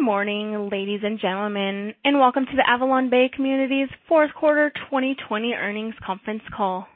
Good morning, ladies and gentlemen, and welcome to the AvalonBay Communities' fourth quarter 2020 earnings conference call.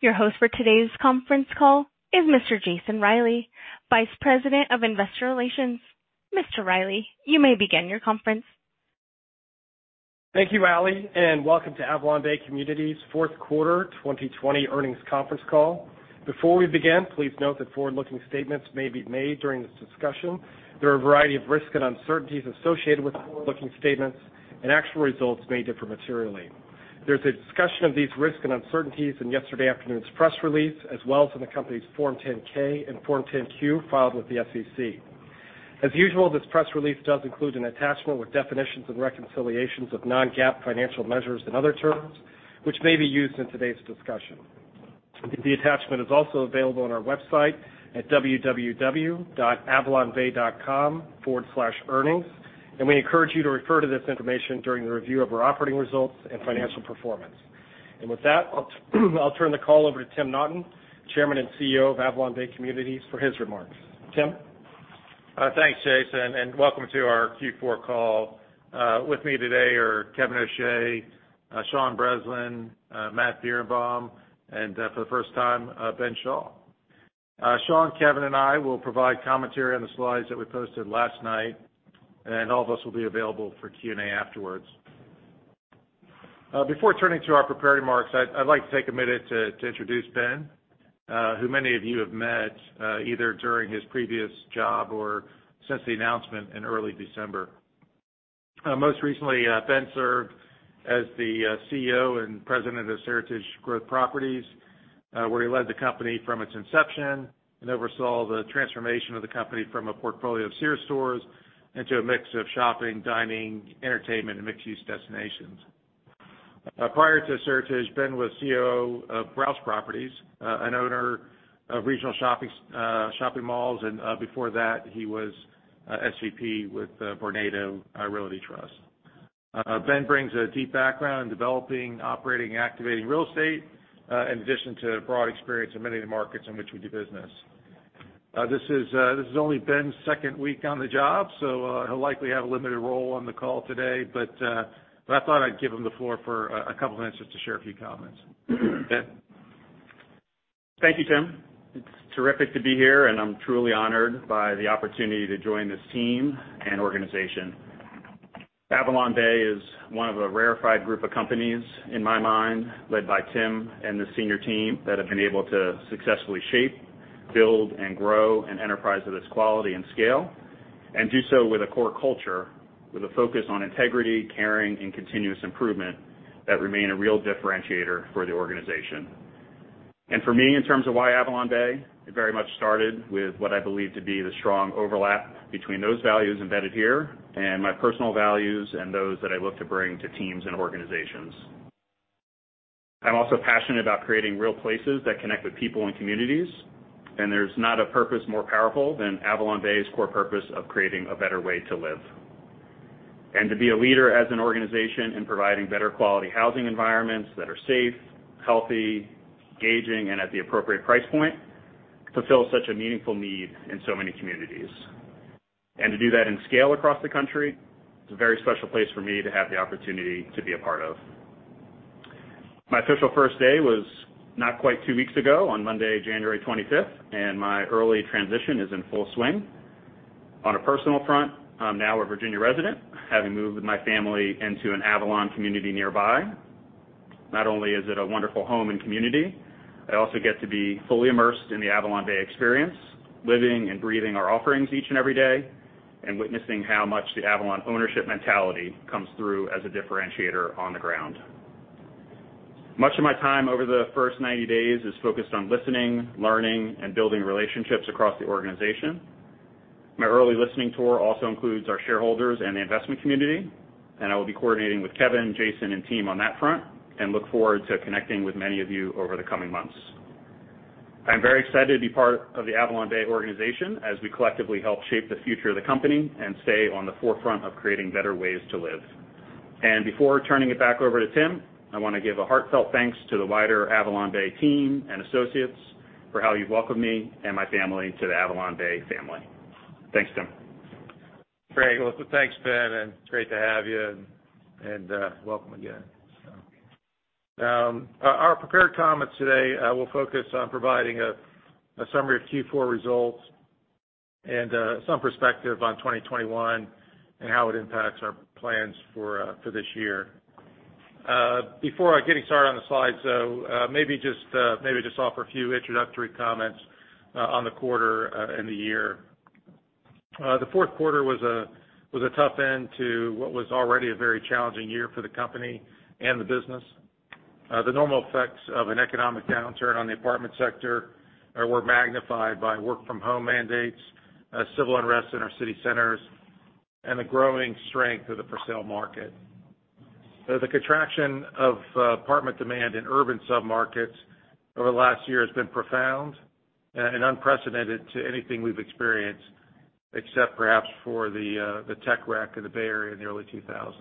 Your host for today's conference call is Mr. Jason Reilley, Vice President of Investor Relations. Mr. Reilley, you may begin your conference. Thank you, Allie, and welcome to AvalonBay Communities' fourth quarter 2020 earnings conference call. Before we begin, please note that forward-looking statements may be made during this discussion. There are a variety of risks and uncertainties associated with forward-looking statements. Actual results may differ materially. There's a discussion of these risks and uncertainties in yesterday afternoon's press release, as well as in the company's Form 10-K and Form 10-Q filed with the SEC. As usual, this press release does include an attachment with definitions and reconciliations of non-GAAP financial measures and other terms, which may be used in today's discussion. The attachment is also available on our website at avalonbay.com/earnings. We encourage you to refer to this information during the review of our operating results and financial performance. With that, I'll turn the call over to Tim Naughton, Chairman and CEO of AvalonBay Communities, for his remarks. Tim? Thanks, Jason, and welcome to our Q4 call. With me today are Kevin O'Shea, Sean Breslin, Matt Birenbaum, and for the first time, Ben Schall. Sean, Kevin, and I will provide commentary on the slides that we posted last night, and all of us will be available for Q&A afterwards. Before turning to our prepared remarks, I'd like to take a minute to introduce Ben, who many of you have met either during his previous job or since the announcement in early December. Most recently, Ben served as the CEO and President of Seritage Growth Properties, where he led the company from its inception and oversaw the transformation of the company from a portfolio of Sears stores into a mix of shopping, dining, entertainment, and mixed-use destinations. Prior to Seritage, Ben was CEO of Rouse Properties, an owner of regional shopping malls. Before that, he was SVP with Vornado Realty Trust. Ben brings a deep background in developing, operating, and activating real estate, in addition to broad experience in many of the markets in which we do business. This is only Ben's second week on the job, so he'll likely have a limited role on the call today. I thought I'd give him the floor for a couple of minutes just to share a few comments. Ben? Thank you, Tim. It's terrific to be here, and I'm truly honored by the opportunity to join this team and organization. AvalonBay is one of a rarefied group of companies, in my mind, led by Tim and the senior team that have been able to successfully shape, build, and grow an enterprise of this quality and scale and do so with a core culture with a focus on integrity, caring, and continuous improvement that remain a real differentiator for the organization. For me, in terms of why AvalonBay, it very much started with what I believe to be the strong overlap between those values embedded here and my personal values and those that I look to bring to teams and organizations. I'm also passionate about creating real places that connect with people and communities, and there's not a purpose more powerful than AvalonBay's core purpose of creating a better way to live. To be a leader as an organization in providing better quality housing environments that are safe, healthy, engaging, and at the appropriate price point fulfills such a meaningful need in so many communities. To do that in scale across the country, it's a very special place for me to have the opportunity to be a part of. My official first day was not quite two weeks ago on 25th Monday, January, and my early transition is in full swing. On a personal front, I'm now a Virginia Redmond having moved with my family into an Avalon community nearby. Not only is it a wonderful home and community, I also get to be fully immersed in the AvalonBay experience, living and breathing our offerings each and every day, and witnessing how much the Avalon ownership mentality comes through as a differentiator on the ground. Much of my time over the first 90 days is focused on listening, learning, and building relationships across the organization. My early listening tour also includes our shareholders and the investment community, and I will be coordinating with Kevin, Jason, and team on that front and look forward to connecting with many of you over the coming months. I'm very excited to be part of the AvalonBay organization as we collectively help shape the future of the company and stay on the forefront of creating better ways to live. Before turning it back over to Tim, I want to give a heartfelt thanks to the wider AvalonBay team and associates for how you've welcomed me and my family to the AvalonBay family. Thanks, Tim. Great. Well, thanks, Ben, and great to have you, and welcome again. Our prepared comments today will focus on providing a summary of Q4 results and some perspective on 2021 and how it impacts our plans for this year. Before getting started on the slides, maybe just offer a few introductory comments on the quarter and the year. The fourth quarter was a tough end to what was already a very challenging year for the company and the business. The normal effects of an economic downturn on the apartment sector were magnified by work from home mandates, civil unrest in our city centers, and the growing strength of the for sale market. The contraction of apartment demand in urban submarkets over the last year has been profound and unprecedented to anything we've experienced, except perhaps for the tech wreck of the Bay Area in the early 2000s.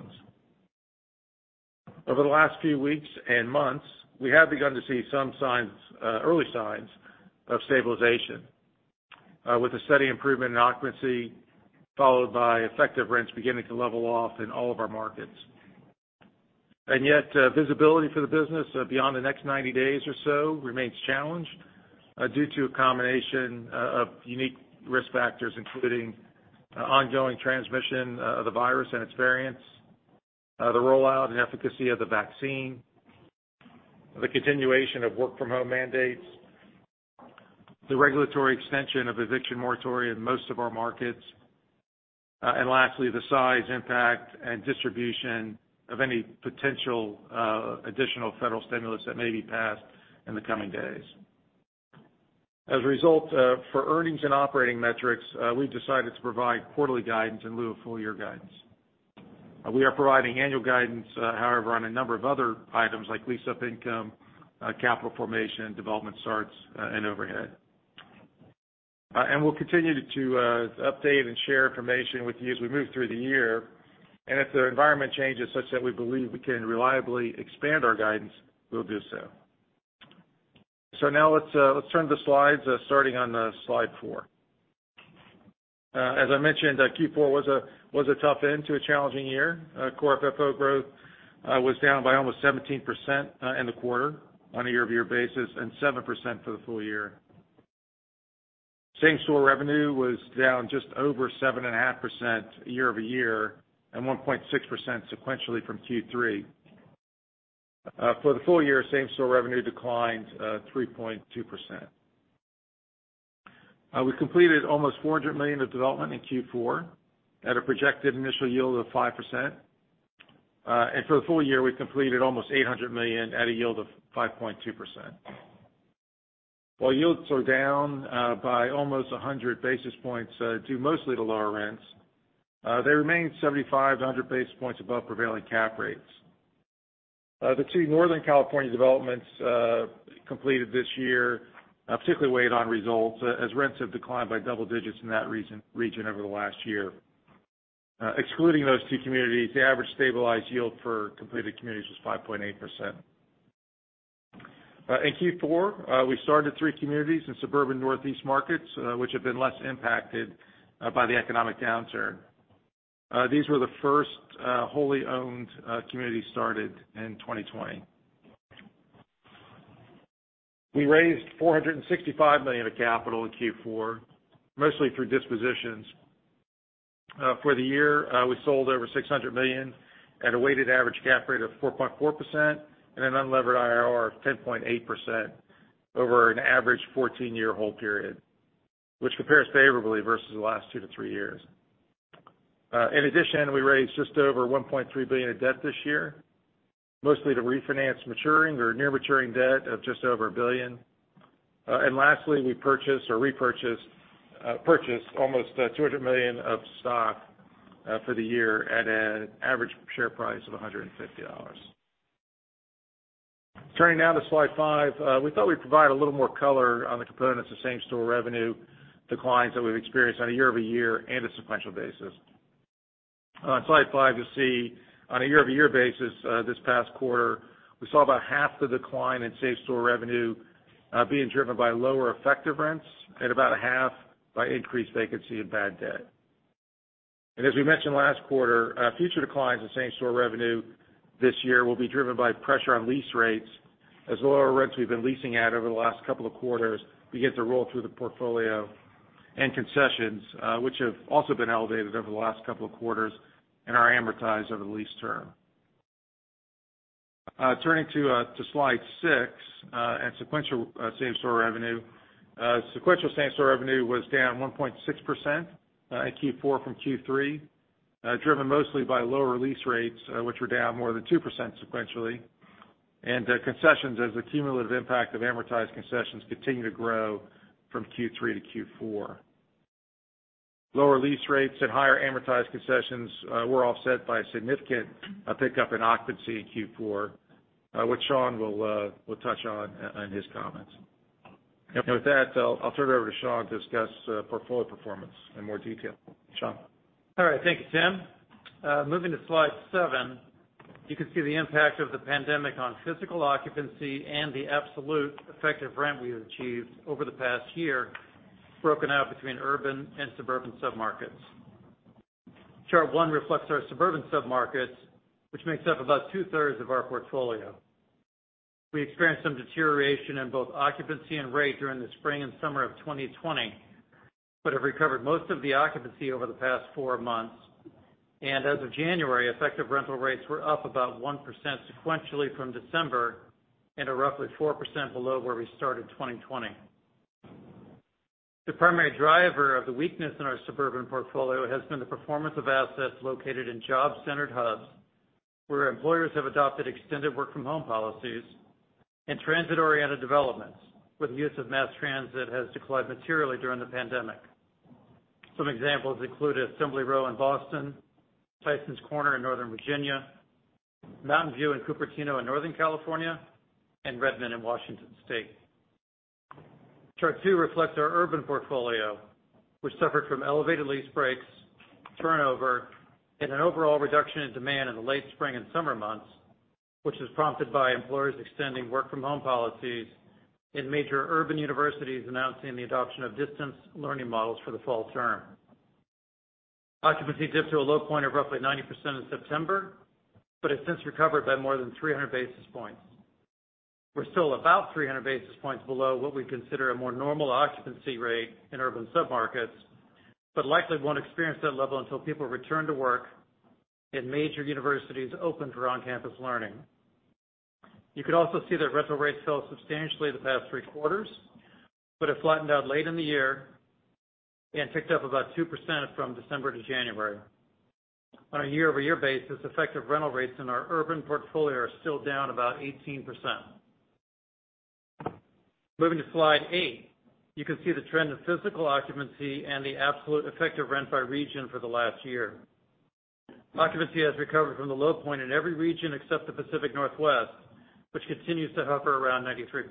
Over the last few weeks and months, we have begun to see some early signs of stabilization, with a steady improvement in occupancy, followed by effective rents beginning to level off in all of our markets. Yet, visibility for the business beyond the next 90 days or so remains challenged due to a combination of unique risk factors, including ongoing transmission of the virus and its variants, the rollout and efficacy of the vaccine, the continuation of work from home mandates, the regulatory extension of eviction moratorium in most of our markets, and lastly, the size impact and distribution of any potential additional federal stimulus that may be passed in the coming days. As a result, for earnings and operating metrics, we've decided to provide quarterly guidance in lieu of full year guidance. We are providing annual guidance, however, on a number of other items like lease-up income, capital formation, development starts, and overhead. We'll continue to update and share information with you as we move through the year. If the environment changes such that we believe we can reliably expand our guidance, we'll do so. Now let's turn to the slides, starting on slide four. As I mentioned, Q4 was a tough end to a challenging year. Core FFO growth was down by almost 17% in the quarter on a year-over-year basis, and 7% for the full year. Same store revenue was down just over 7.5% year-over-year, and 1.6% sequentially from Q3. For the full year, same store revenue declined 3.2%. We completed almost $400 million of development in Q4 at a projected initial yield of 5%. For the full year, we completed almost $800 million at a yield of 5.2%. While yields are down by almost 100 basis points due mostly to lower rents, they remain 75-100 basis points above prevailing cap rates. The two Northern California developments completed this year particularly weighed on results as rents have declined by double digits in that region over the last year. Excluding those two communities, the average stabilized yield for completed communities was 5.8%. In Q4, we started three communities in suburban Northeast markets, which have been less impacted by the economic downturn. These were the first wholly owned communities started in 2020. We raised $465 million of capital in Q4, mostly through dispositions. For the year, we sold over $600 million at a weighted average cap rate of 4.4% and an unlevered IRR of 10.8% over an average 14-year hold period, which compares favorably versus the last two to three years. In addition, we raised just over $1.3 billion of debt this year, mostly to refinance maturing or near maturing debt of just over $1 billion. Lastly, we purchased or repurchased almost $200 million of stock for the year at an average share price of $150. Turning now to slide five. We thought we'd provide a little more color on the components of same store revenue declines that we've experienced on a year-over-year and a sequential basis. On slide five, you'll see on a year-over-year basis this past quarter, we saw about half the decline in same store revenue being driven by lower effective rents and about a half by increased vacancy and bad debt. As we mentioned last quarter, future declines in same store revenue this year will be driven by pressure on lease rates as the lower rents we've been leasing at over the last couple of quarters begin to roll through the portfolio and concessions, which have also been elevated over the last couple of quarters and are amortized over the lease term. Turning to slide six at sequential same store revenue. Sequential same store revenue was down 1.6% in Q4 from Q3, driven mostly by lower lease rates, which were down more than 2% sequentially, and concessions as the cumulative impact of amortized concessions continue to grow from Q3-Q4. Lower lease rates and higher amortized concessions were offset by a significant pickup in occupancy in Q4, which Sean will touch on in his comments. With that, I'll turn it over to Sean to discuss portfolio performance in more detail. Sean? All right. Thank you, Tim. Moving to slide seven, you can see the impact of the pandemic on physical occupancy and the absolute effective rent we have achieved over the past year, broken out between urban and suburban submarkets. Chart one reflects our suburban submarkets, which makes up about two-thirds of our portfolio. We experienced some deterioration in both occupancy and rate during the spring and summer of 2020, but have recovered most of the occupancy over the past four months. As of January, effective rental rates were up about 1% sequentially from December and are roughly 4% below where we started 2020. The primary driver of the weakness in our suburban portfolio has been the performance of assets located in job-centered hubs, where employers have adopted extended work-from-home policies and transit-oriented developments, where the use of mass transit has declined materially during the pandemic. Some examples include Assembly Row in Boston, Tysons Corner in Northern Virginia, Mountain View and Cupertino in Northern California, and Redmond in Washington State. Chart two reflects our urban portfolio, which suffered from elevated lease breaks, turnover, and an overall reduction in demand in the late spring and summer months, which was prompted by employers extending work-from-home policies and major urban universities announcing the adoption of distance learning models for the fall term. Occupancy dipped to a low point of roughly 90% in September, but has since recovered by more than 300 basis points. We're still about 300 basis points below what we consider a more normal occupancy rate in urban submarkets, but likely won't experience that level until people return to work and major universities open for on-campus learning. You could also see that rental rates fell substantially the past three quarters but have flattened out late in the year and ticked up about 2% from December to January. On a year-over-year basis, effective rental rates in our urban portfolio are still down about 18%. Moving to slide eight, you can see the trend of physical occupancy and the absolute effective rent by region for the last year. Occupancy has recovered from the low point in every region except the Pacific Northwest, which continues to hover around 93%.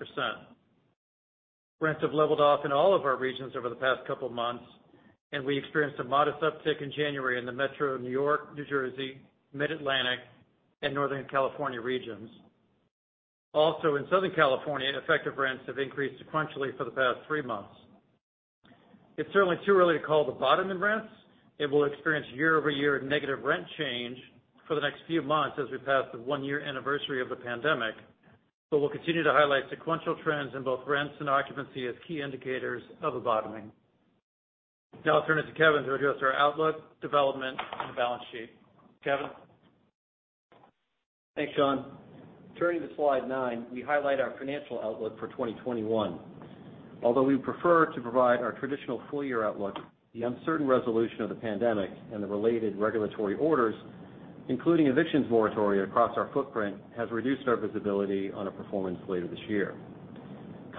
Rents have leveled off in all of our regions over the past couple of months, and we experienced a modest uptick in January in the metro New York, New Jersey, Mid-Atlantic, and Northern California regions. Also, in Southern California, effective rents have increased sequentially for the past three months. It's certainly too early to call the bottom in rents and we'll experience year-over-year negative rent change for the next few months as we pass the one-year anniversary of the pandemic. We'll continue to highlight sequential trends in both rents and occupancy as key indicators of a bottoming. I'll turn it to Kevin to address our outlook, development, and the balance sheet. Kevin? Thanks, Sean. Turning to slide nine, we highlight our financial outlook for 2021. Although we prefer to provide our traditional full-year outlook, the uncertain resolution of the pandemic and the related regulatory orders, including evictions moratorium across our footprint, has reduced our visibility on a performance later this year.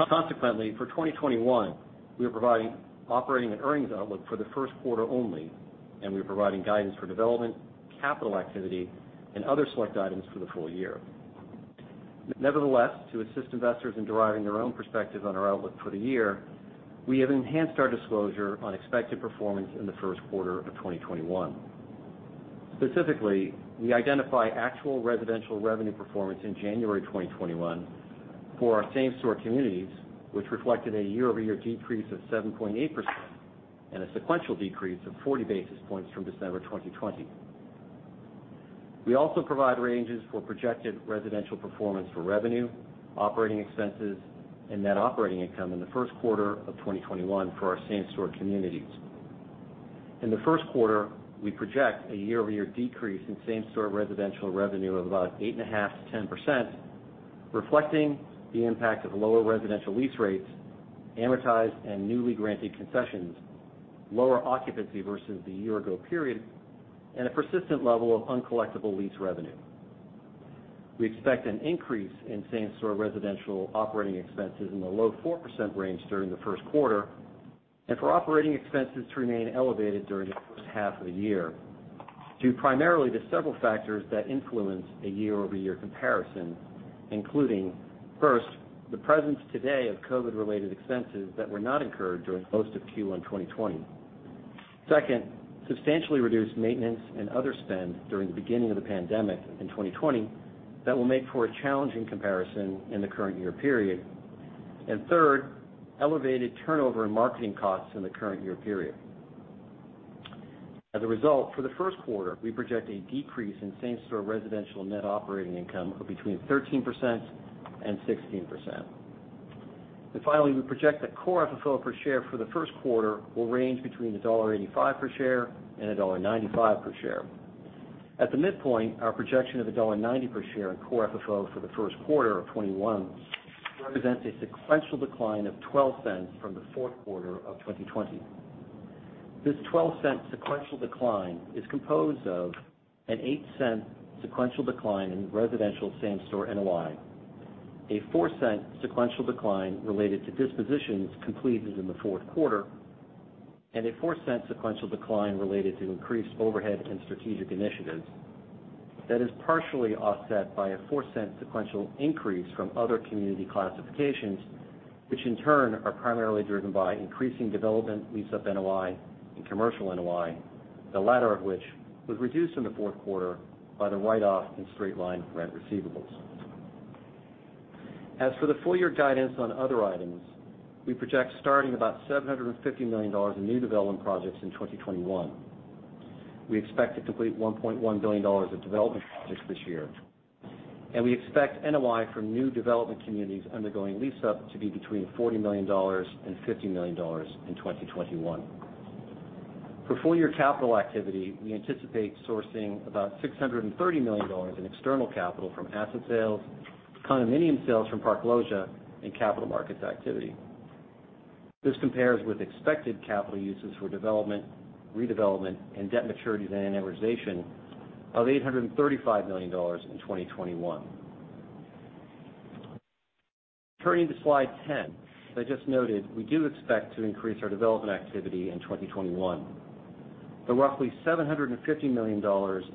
Consequently, for 2021, we are providing operating and earnings outlook for the first quarter only, and we are providing guidance for development, capital activity, and other select items for the full year. Nevertheless, to assist investors in deriving their own perspective on our outlook for the year, we have enhanced our disclosure on expected performance in the first quarter of 2021. Specifically, we identify actual residential revenue performance in January 2021 for our same-store communities, which reflected a year-over-year decrease of 7.8% and a sequential decrease of 40 basis points from December 2020. We also provide ranges for projected residential performance for revenue, operating expenses, and net operating income in the first quarter of 2021 for our same-store communities. In the first quarter, we project a year-over-year decrease in same-store residential revenue of about 8.5%-10%, reflecting the impact of lower residential lease rates, amortized and newly granted concessions, lower occupancy versus the year ago period, and a persistent level of uncollectible lease revenue. We expect an increase in same-store residential operating expenses in the low 4% range during the first quarter and for operating expenses to remain elevated during the first half of the year due primarily to several factors that influence a year-over-year comparison, including, first, the presence today of COVID-related expenses that were not incurred during most of Q1 2020. Second, substantially reduced maintenance and other spend during the beginning of the pandemic in 2020 that will make for a challenging comparison in the current year period. Third, elevated turnover and marketing costs in the current year period. As a result, for the first quarter, we project a decrease in same-store residential NOI of between 13% and 16%. Finally, we project that core FFO per share for the first quarter will range between $1.85 per share and $1.95 per share. At the midpoint, our projection of $1.90 per share in core FFO for the first quarter of 2021 represents a sequential decline of $0.12 from the fourth quarter of 2020. This $0.12 sequential decline is composed of an $0.08 sequential decline in residential same-store NOI, a $0.04 sequential decline related to dispositions completed in the fourth quarter, and a $0.04 sequential decline related to increased overhead and strategic initiatives that is partially offset by a $0.04 sequential increase from other community classifications, which in turn are primarily driven by increasing development lease-up NOI and commercial NOI, the latter of which was reduced in the fourth quarter by the write-off and straight-line rent receivables. As for the full-year guidance on other items, we project starting about $750 million in new development projects in 2021. We expect to complete $1.1 billion of development projects this year. We expect NOI from new development communities undergoing lease up to be between $40 million and $50 million in 2021. For full year capital activity, we anticipate sourcing about $630 million in external capital from asset sales, condominium sales from Park Loggia, and capital markets activity. This compares with expected capital uses for development, redevelopment, and debt maturities and amortization of $835 million in 2021. Turning to slide 10. As I just noted, we do expect to increase our development activity in 2021. The roughly $750 million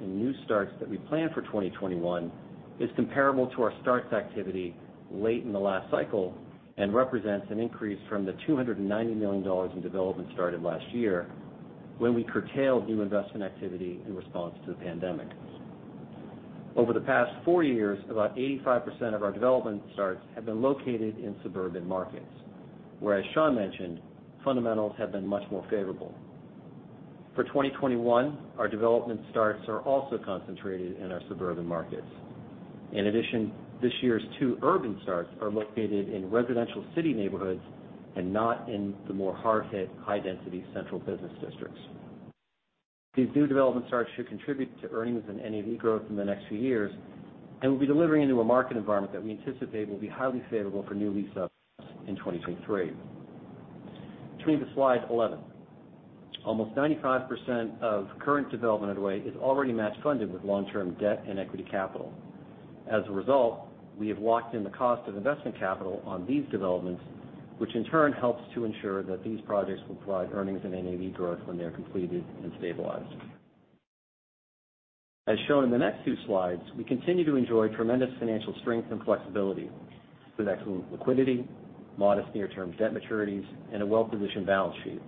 in new starts that we plan for 2021 is comparable to our starts activity late in the last cycle and represents an increase from the $290 million in development started last year, when we curtailed new investment activity in response to the pandemic. Over the past four years, about 85% of our development starts have been located in suburban markets, where, as Sean mentioned, fundamentals have been much more favorable. For 2021, our development starts are also concentrated in our suburban markets. In addition, this year's two urban starts are located in residential city neighborhoods and not in the more hard-hit, high-density central business districts. These new development starts should contribute to earnings and NAV growth in the next few years and will be delivering into a market environment that we anticipate will be highly favorable for new lease ups in 2023. Turning to slide 11. Almost 95% of current development underway is already match funded with long-term debt and equity capital. As a result, we have locked in the cost of investment capital on these developments, which in turn helps to ensure that these projects will provide earnings and NAV growth when they are completed and stabilized. As shown in the next two slides, we continue to enjoy tremendous financial strength and flexibility with excellent liquidity, modest near-term debt maturities, and a well-positioned balance sheet.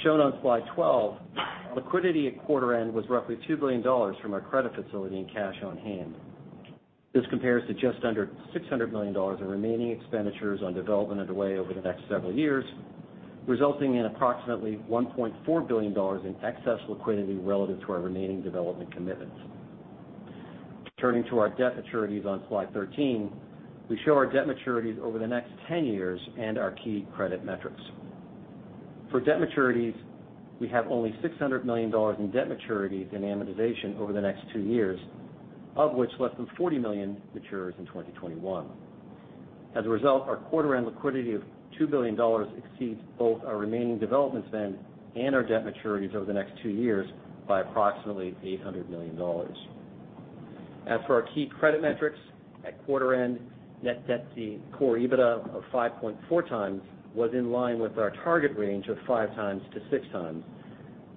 Shown on slide 12, our liquidity at quarter end was roughly $2 billion from our credit facility and cash on hand. This compares to just under $600 million in remaining expenditures on development underway over the next several years, resulting in approximately $1.4 billion in excess liquidity relative to our remaining development commitments. Turning to our debt maturities on slide 13, we show our debt maturities over the next 10 years and our key credit metrics. For debt maturities, we have only $600 million in debt maturities and amortization over the next two years, of which less than $40 million matures in 2021. As a result, our quarter end liquidity of $2 billion exceeds both our remaining uncertain and our debt maturities over the next two years by approximately $800 million. As for our key credit metrics, at quarter end, net debt to core EBITDA of 5.4 times was in line with our target range of five times to six times.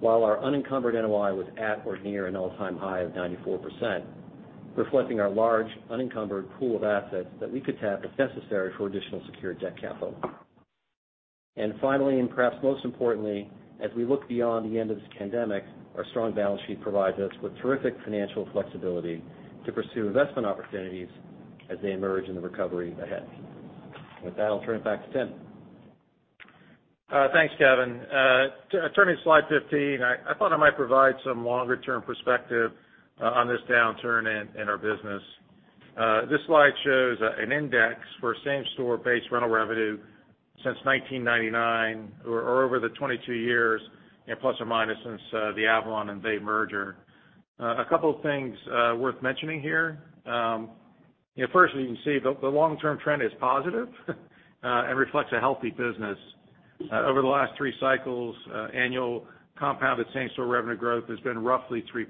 While our unencumbered NOI was at or near an all-time high of 94%, reflecting our large unencumbered pool of assets that we could tap if necessary for additional secured debt capital. Finally, and perhaps most importantly, as we look beyond the end of this pandemic, our strong balance sheet provides us with terrific financial flexibility to pursue investment opportunities as they emerge in the recovery ahead. With that, I'll turn it back to Tim. Thanks, Kevin. Turning to slide 15, I thought I might provide some longer-term perspective on this downturn in our business. This slide shows an index for same-store base rental revenue since 1999 or over the 22 years, plus or minus, since the Avalon and Bay merger. A couple of things worth mentioning here. First, as you can see, the long-term trend is positive and reflects a healthy business. Over the last three cycles, annual compounded same-store revenue growth has been roughly 3%.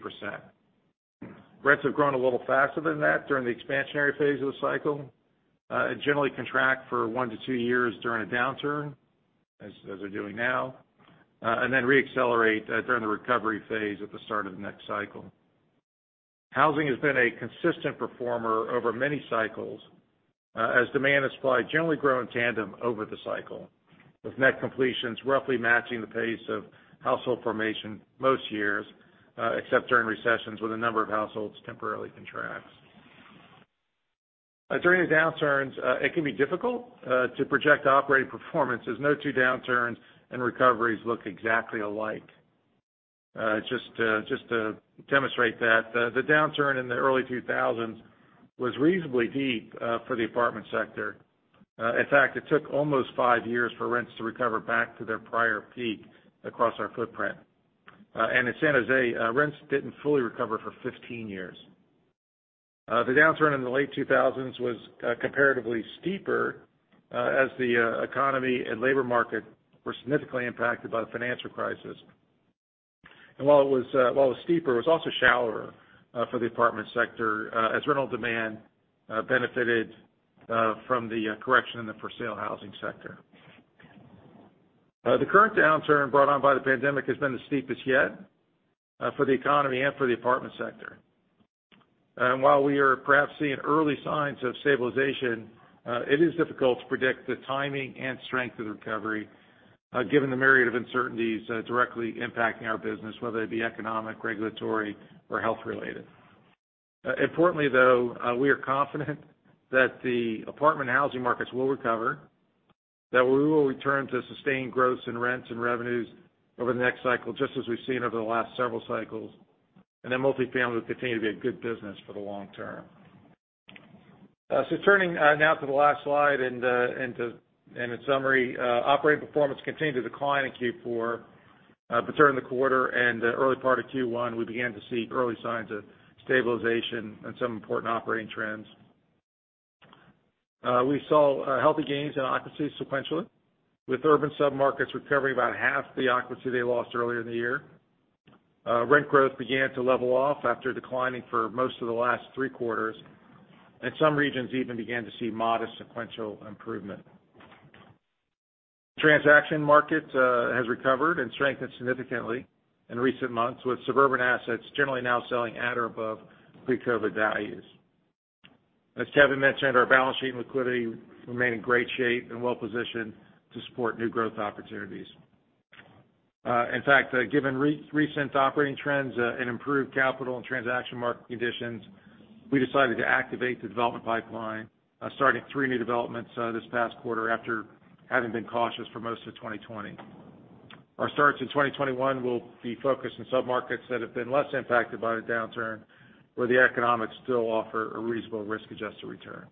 Rents have grown a little faster than that during the expansionary phase of the cycle, and generally contract for one to two years during a downturn, as they're doing now, and then re-accelerate during the recovery phase at the start of the next cycle. Housing has been a consistent performer over many cycles, as demand and supply generally grow in tandem over the cycle, with net completions roughly matching the pace of household formation most years, except during recessions when the number of households temporarily contracts. During the downturns, it can be difficult to project operating performance as no two downturns and recoveries look exactly alike. Just to demonstrate that, the downturn in the early 2000s was reasonably deep for the apartment sector. In fact, it took almost five years for rents to recover back to their prior peak across our footprint. In San Jose, rents didn't fully recover for 15 years. The downturn in the late 2000s was comparatively steeper as the economy and labor market were significantly impacted by the financial crisis. While it was steeper, it was also shallower for the apartment sector as rental demand benefited from the correction in the for-sale housing sector. The current downturn brought on by the pandemic has been the steepest yet for the economy and for the apartment sector. While we are perhaps seeing early signs of stabilization, it is difficult to predict the timing and strength of the recovery given the myriad of uncertainties directly impacting our business, whether they be economic, regulatory, or health related. Importantly, though, we are confident that the apartment housing markets will recover, that we will return to sustained growth in rents and revenues over the next cycle, just as we've seen over the last several cycles. Multifamily will continue to be a good business for the long term. Turning now to the last slide and in summary, operating performance continued to decline in Q4. During the quarter and the early part of Q1, we began to see early signs of stabilization in some important operating trends. We saw healthy gains in occupancy sequentially, with urban submarkets recovering about half the occupancy they lost earlier in the year. Rent growth began to level off after declining for most of the last three quarters, and some regions even began to see modest sequential improvement. Transaction market has recovered and strengthened significantly in recent months, with suburban assets generally now selling at or above pre-COVID values. As Kevin mentioned, our balance sheet and liquidity remain in great shape and well-positioned to support new growth opportunities. In fact, given recent operating trends and improved capital and transaction market conditions, we decided to activate the development pipeline, starting three new developments this past quarter after having been cautious for most of 2020. Our starts in 2021 will be focused on submarkets that have been less impacted by the downturn, where the economics still offer a reasonable risk-adjusted return.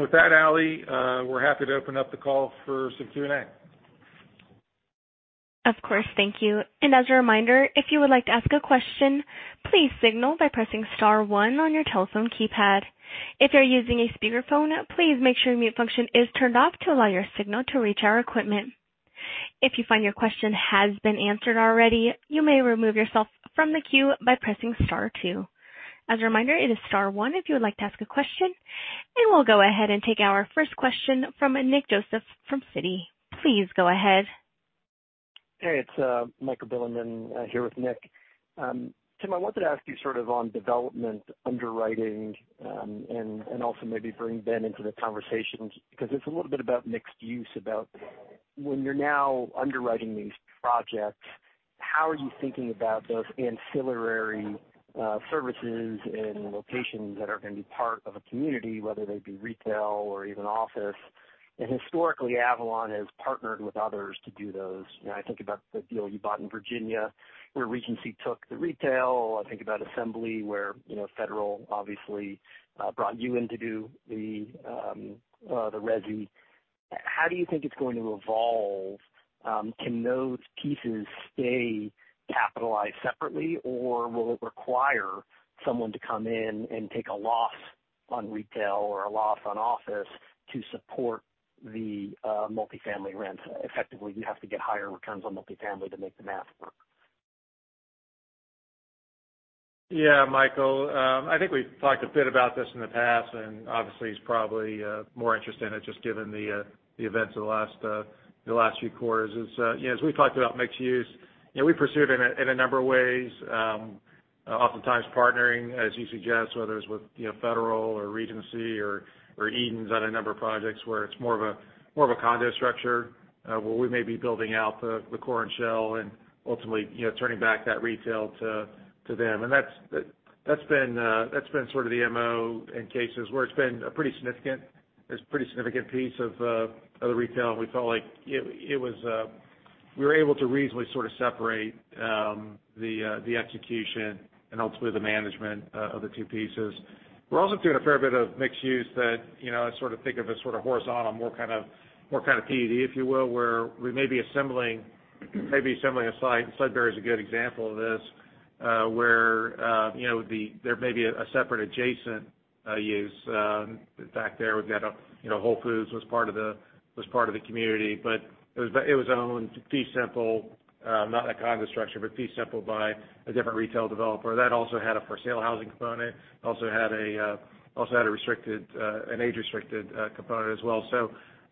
With that, Allie, we're happy to open up the call for some Q&A. Of course. Thank you. As a reminder, if you would like to ask a question, please signal by pressing star one on your telephone keypad. If you're using a speakerphone, please make sure mute function is turned off to allow your signal to reach our equipment. If you find your question has been answered already, you may remove yourself from the queue by pressing star two. As a reminder, it is star one if you would like to ask a question, and we'll go ahead and take our first question from Nick Joseph from Citi. Please go ahead. Hey, it's Michael Bilerman here with Nick. Tim, I wanted to ask you sort of on development underwriting, and also maybe bring Ben into the conversation, because it's a little bit about mixed use, about when you're now underwriting these projects, how are you thinking about those ancillary services and locations that are going to be part of a community, whether they be retail or even office. Historically, Avalon has partnered with others to do those. I think about the deal you bought in Virginia where Regency took the retail. I think about Assembly, where Federal obviously brought you in to do the resi. How do you think it's going to evolve? Can those pieces stay capitalized separately, or will it require someone to come in and take a loss on retail or a loss on office to support the multifamily rents? Effectively, you have to get higher returns on multifamily to make the math work. Yeah. Michael, I think we've talked a bit about this in the past, and obviously it's probably more interest in it just given the events of the last few quarters is, as we've talked about mixed-use, we pursued in a number of ways. Oftentimes partnering, as you suggest, whether it's with Federal or Regency or EDENS on a number of projects where it's more of a condo structure, where we may be building out the core and shell and ultimately turning back that retail to them. That's been sort of the MO in cases where it's been a pretty significant piece of the retail, and we felt like we were able to reasonably sort of separate the execution and ultimately the management of the two pieces. We're also doing a fair bit of mixed-use that I sort of think of as sort of horizontal, more kind of PUD, if you will, where we may be assembling a site. Sudbury is a good example of this, where there may be a separate adjacent use. In fact, there we've got Whole Foods was part of the community, but it was owned fee simple, not a condo structure, but fee simple by a different retail developer. That also had a for sale housing component, also had an age-restricted component as well.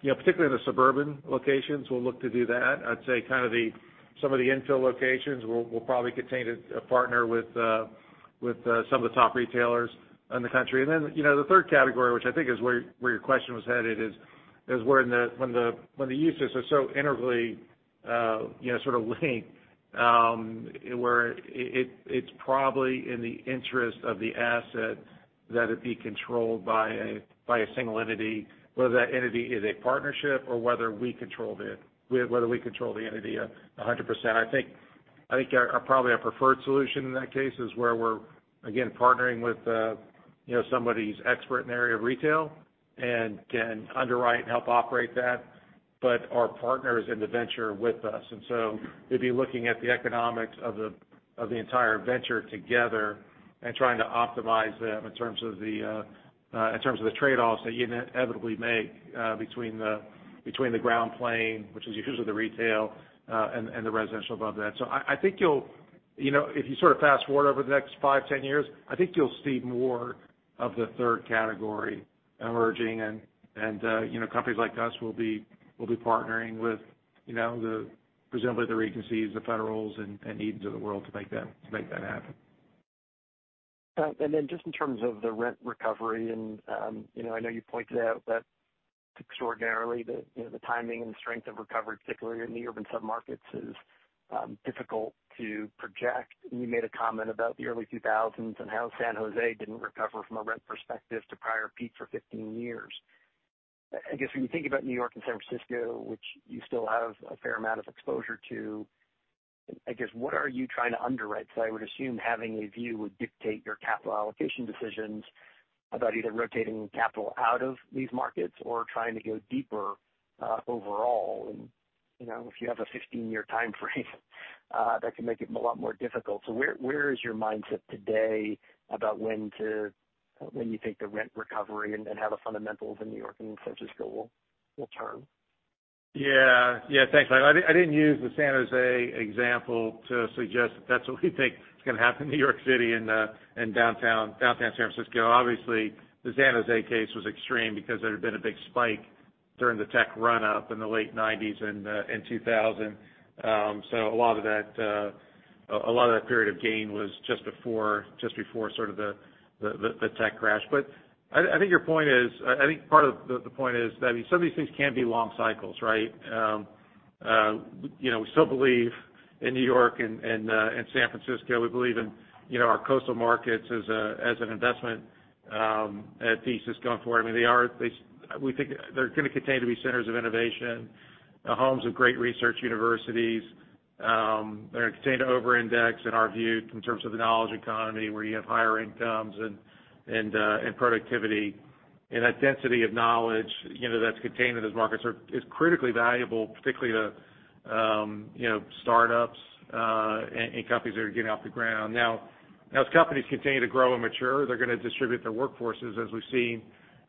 Particularly the suburban locations, we'll look to do that. I'd say kind of some of the infill locations will probably continue to partner with some of the top retailers in the country. The third category, which I think is where your question was headed, is when the uses are so integrally sort of linked, where it's probably in the interest of the asset that it be controlled by a single entity, whether that entity is a partnership or whether we control it, whether we control the entity 100%. I think probably our preferred solution in that case is where we're, again, partnering with somebody who's expert in the area of retail and can underwrite and help operate that. Our partner is in the venture with us, and so we'd be looking at the economics of the entire venture together and trying to optimize them in terms of the trade-offs that you inevitably make between the ground plane, which is usually the retail, and the residential above that. I think if you sort of fast-forward over the next five, 10 years, I think you'll see more of the third category emerging, and companies like us will be partnering with presumably the Regencies, the Federals, and EDENS of the world to make that happen. Just in terms of the rent recovery, and I know you pointed out that extraordinarily the timing and the strength of recovery, particularly in the urban submarkets, is difficult to project. You made a comment about the early 2000s and how San Jose didn't recover from a rent perspective to prior peak for 15 years. I guess when you think about New York and San Francisco, which you still have a fair amount of exposure to, I guess, what are you trying to underwrite? I would assume having a view would dictate your capital allocation decisions about either rotating capital out of these markets or trying to go deeper overall. If you have a 15-year timeframe that can make it a lot more difficult. Where is your mindset today about when you think the rent recovery and how the fundamentals in New York and San Francisco will turn? Yeah. Thanks, Michael. I didn't use the San Jose example to suggest that's what we think is going to happen in New York City and downtown San Francisco. Obviously, the San Jose case was extreme because there had been a big spike during the tech run-up in the late '90s and 2000. A lot of that period of gain was just before sort of the tech crash. I think part of the point is that some of these things can be long cycles, right? We still believe in New York and San Francisco. We believe in our coastal markets as an investment thesis going forward. We think they're going to continue to be centers of innovation, homes of great research universities. They're going to continue to over-index in our view, in terms of the knowledge economy, where you have higher incomes and productivity. That density of knowledge that's contained in those markets is critically valuable, particularly to startups, and companies that are getting off the ground. Now, as companies continue to grow and mature, they're going to distribute their workforces as we've seen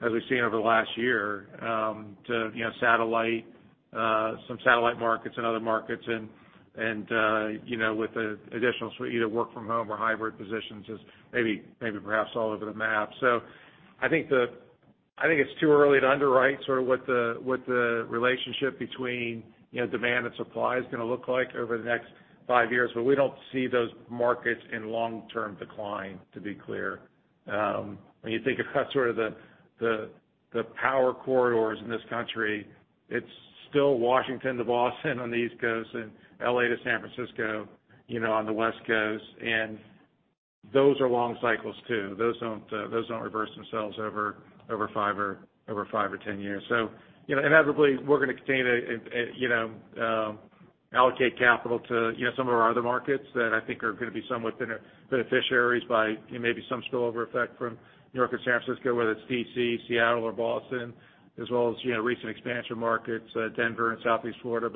over the last year, to some satellite markets and other markets, and with additional either work from home or hybrid positions as maybe perhaps all over the map. I think it's too early to underwrite sort of what the relationship between demand and supply is going to look like over the next five years. We don't see those markets in long-term decline, to be clear. When you think about sort of the power corridors in this country, it's still Washington to Boston on the East Coast and L.A. to San Francisco on the West Coast. Those are long cycles too. Those don't reverse themselves over five or 10 years. Inevitably we're going to continue to allocate capital to some of our other markets that I think are going to be somewhat beneficiaries by maybe some spillover effect from New York or San Francisco, whether it's D.C., Seattle, or Boston, as well as recent expansion markets, Denver and Southeast Florida.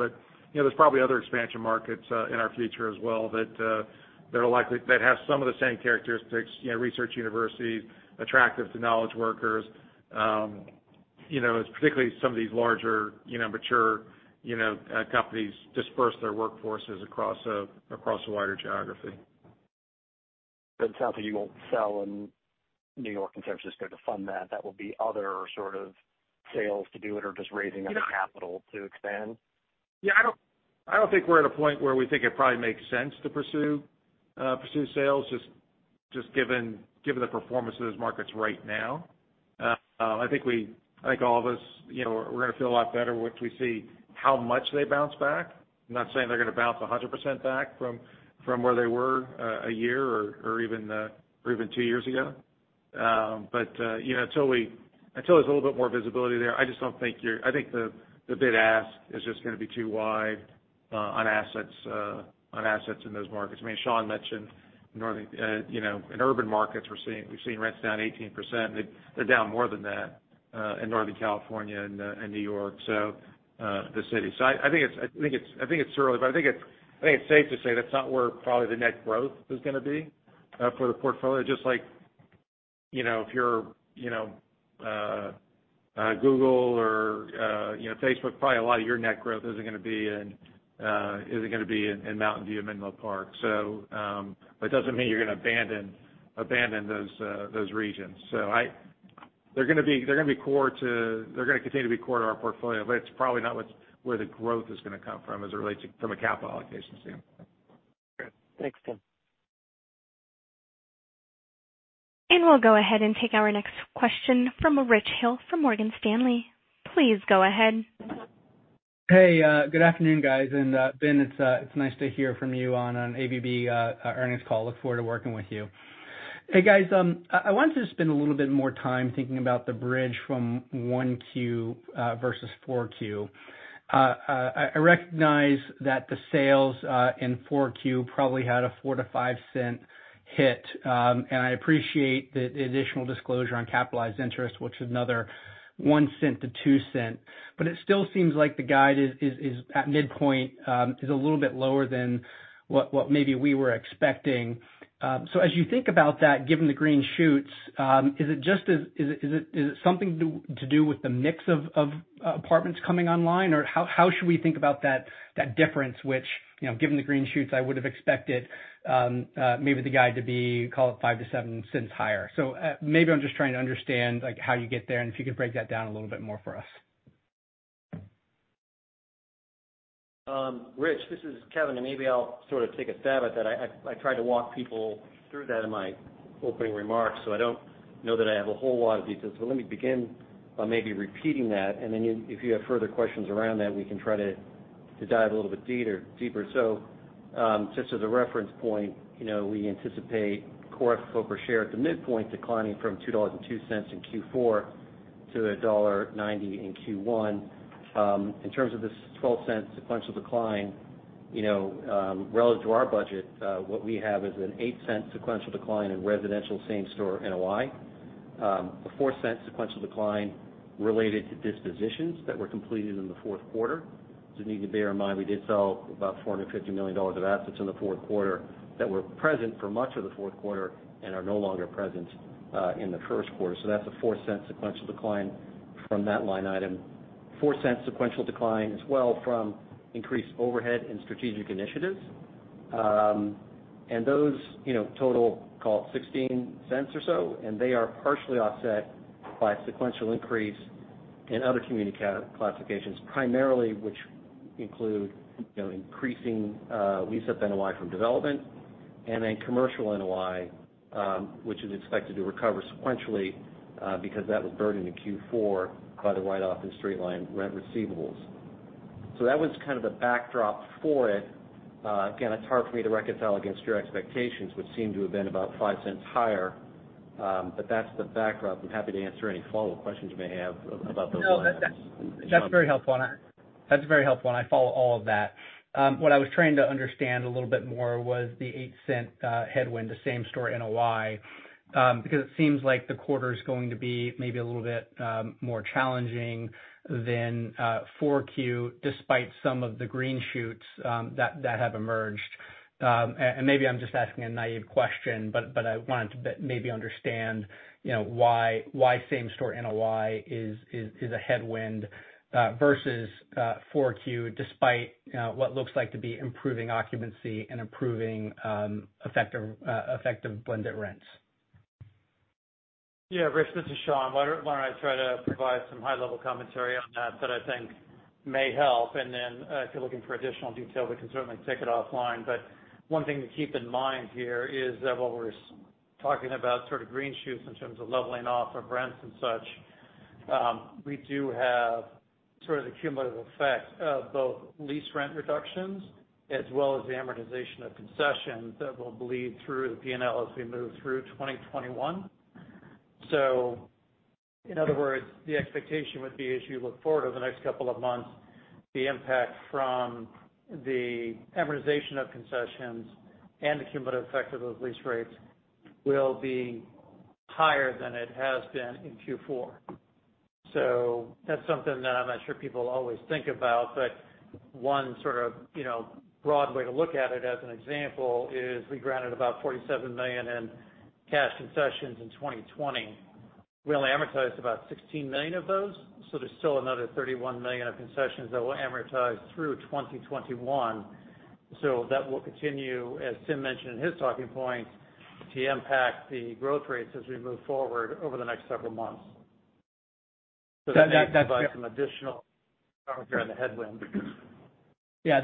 There's probably other expansion markets in our future as well that have some of the same characteristics, research universities, attractive to knowledge workers, as particularly some of these larger, mature companies disperse their workforces across a wider geography. It sounds like you won't sell in New York and San Francisco to fund that. That will be other sort of sales to do it or just raising other capital to expand? I don't think we're at a point where we think it probably makes sense to pursue sales, just given the performance of those markets right now. I think all of us, we're going to feel a lot better once we see how much they bounce back. I'm not saying they're going to bounce 100% back from where they were a year or even two years ago. Until there's a little bit more visibility there, I think the bid ask is just going to be too wide on assets in those markets. Sean mentioned in urban markets we've seen rents down 18%, they're down more than that in Northern California and New York, the city. I think it's early, but I think it's safe to say that's not where probably the net growth is going to be for the portfolio. Just like if you're Google or Facebook, probably a lot of your net growth isn't going to be in Mountain View or Menlo Park. It doesn't mean you're going to abandon those regions. They're going to continue to be core to our portfolio, but it's probably not where the growth is going to come from as it relates from a capital allocation standpoint. Great. Thanks, Tim. We'll go ahead and take our next question from Rich Hill from Morgan Stanley. Please go ahead. Hey, good afternoon, guys. Ben, it's nice to hear from you on an AVB earnings call. Look forward to working with you. Hey, guys. I wanted to spend a little bit more time thinking about the bridge from 1Q versus 4Q. I recognize that the sales in 4Q probably had a $0.04-$0.05 hit. I appreciate the additional disclosure on capitalized interest, which is another $0.01-$0.02. It still seems like the guide at midpoint is a little bit lower than what maybe we were expecting. As you think about that, given the green shoots, is it something to do with the mix of apartments coming online? How should we think about that difference, which, given the green shoots, I would have expected maybe the guide to be, call it $0.05-$0.07 higher. Maybe I'm just trying to understand how you get there and if you could break that down a little bit more for us. Rich, this is Kevin, and maybe I'll sort of take a stab at that. I tried to walk people through that in my opening remarks, so I don't know that I have a whole lot of details. Let me begin by maybe repeating that, and then if you have further questions around that, we can try to dive a little bit deeper. Just as a reference point, we anticipate core FFO per share at the midpoint declining from $2.02 in Q4 to $1.90 in Q1. In terms of this $0.12 sequential decline, relative to our budget, what we have is an $0.08 sequential decline in residential same-store NOI, a $0.04 sequential decline related to dispositions that were completed in the fourth quarter. Just need to bear in mind, we did sell about $450 million of assets in the fourth quarter that were present for much of the fourth quarter and are no longer present in the first quarter. That's a $0.04 sequential decline from that line item. $0.04 sequential decline as well from increased overhead and strategic initiatives. Those total, call it $0.16 or so, and they are partially offset by a sequential increase in other community classifications, primarily which include increasing lease-up NOI from development and then commercial NOI, which is expected to recover sequentially because that was burdened in Q4 by the write-off in straight-line rent receivables. That was kind of the backdrop for it. Again, it's hard for me to reconcile against your expectations, which seem to have been about $0.05 higher. That's the backdrop. I'm happy to answer any follow-up questions you may have about those line items. No, that's very helpful. I follow all of that. What I was trying to understand a little bit more was the $0.08 headwind to same-store NOI. It seems like the quarter's going to be maybe a little bit more challenging than 4Q, despite some of the green shoots that have emerged. Maybe I'm just asking a naive question. I wanted to maybe understand why same-store NOI is a headwind versus 4Q despite what looks like to be improving occupancy and improving effective blended rents. Rich, this is Sean. Why don't I try to provide some high-level commentary on that I think may help. If you're looking for additional detail, we can certainly take it offline. One thing to keep in mind here is that while we're talking about sort of green shoots in terms of leveling off of rents and such, we do have sort of the cumulative effect of both lease rent reductions as well as the amortization of concessions that will bleed through the P&L as we move through 2021. In other words, the expectation would be, as you look forward over the next couple of months, the impact from the amortization of concessions and the cumulative effect of those lease rates will be higher than it has been in Q4. That's something that I'm not sure people always think about, but one sort of broad way to look at it as an example is we granted about $47 million in cash concessions in 2020. We only amortized about $16 million of those, there's still another $31 million of concessions that will amortize through 2021. That will continue, as Tim mentioned in his talking points, to impact the growth rates as we move forward over the next several months. That may provide some additional commentary on the headwind. Yeah,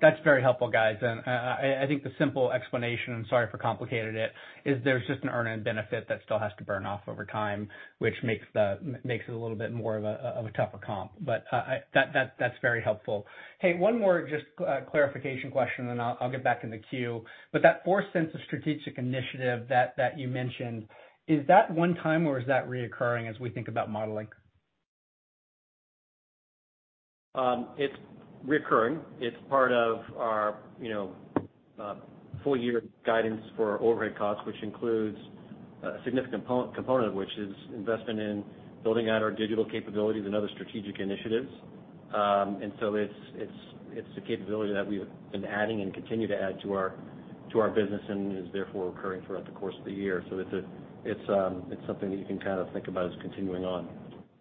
that's very helpful, guys. I think the simple explanation, I'm sorry if I complicated it, is there's just an earn-in benefit that still has to burn off over time, which makes it a little bit more of a tougher comp. That's very helpful. Hey, one more just clarification question, then I'll get back in the queue. That $0.04 of strategic initiative that you mentioned, is that one time, or is that reoccurring as we think about modeling? It's recurring. It's part of our full-year guidance for our overhead costs, which includes a significant component of which is investment in building out our digital capabilities and other strategic initiatives. It's the capability that we have been adding and continue to add to our business and is therefore recurring throughout the course of the year. It's something that you can kind of think about as continuing on.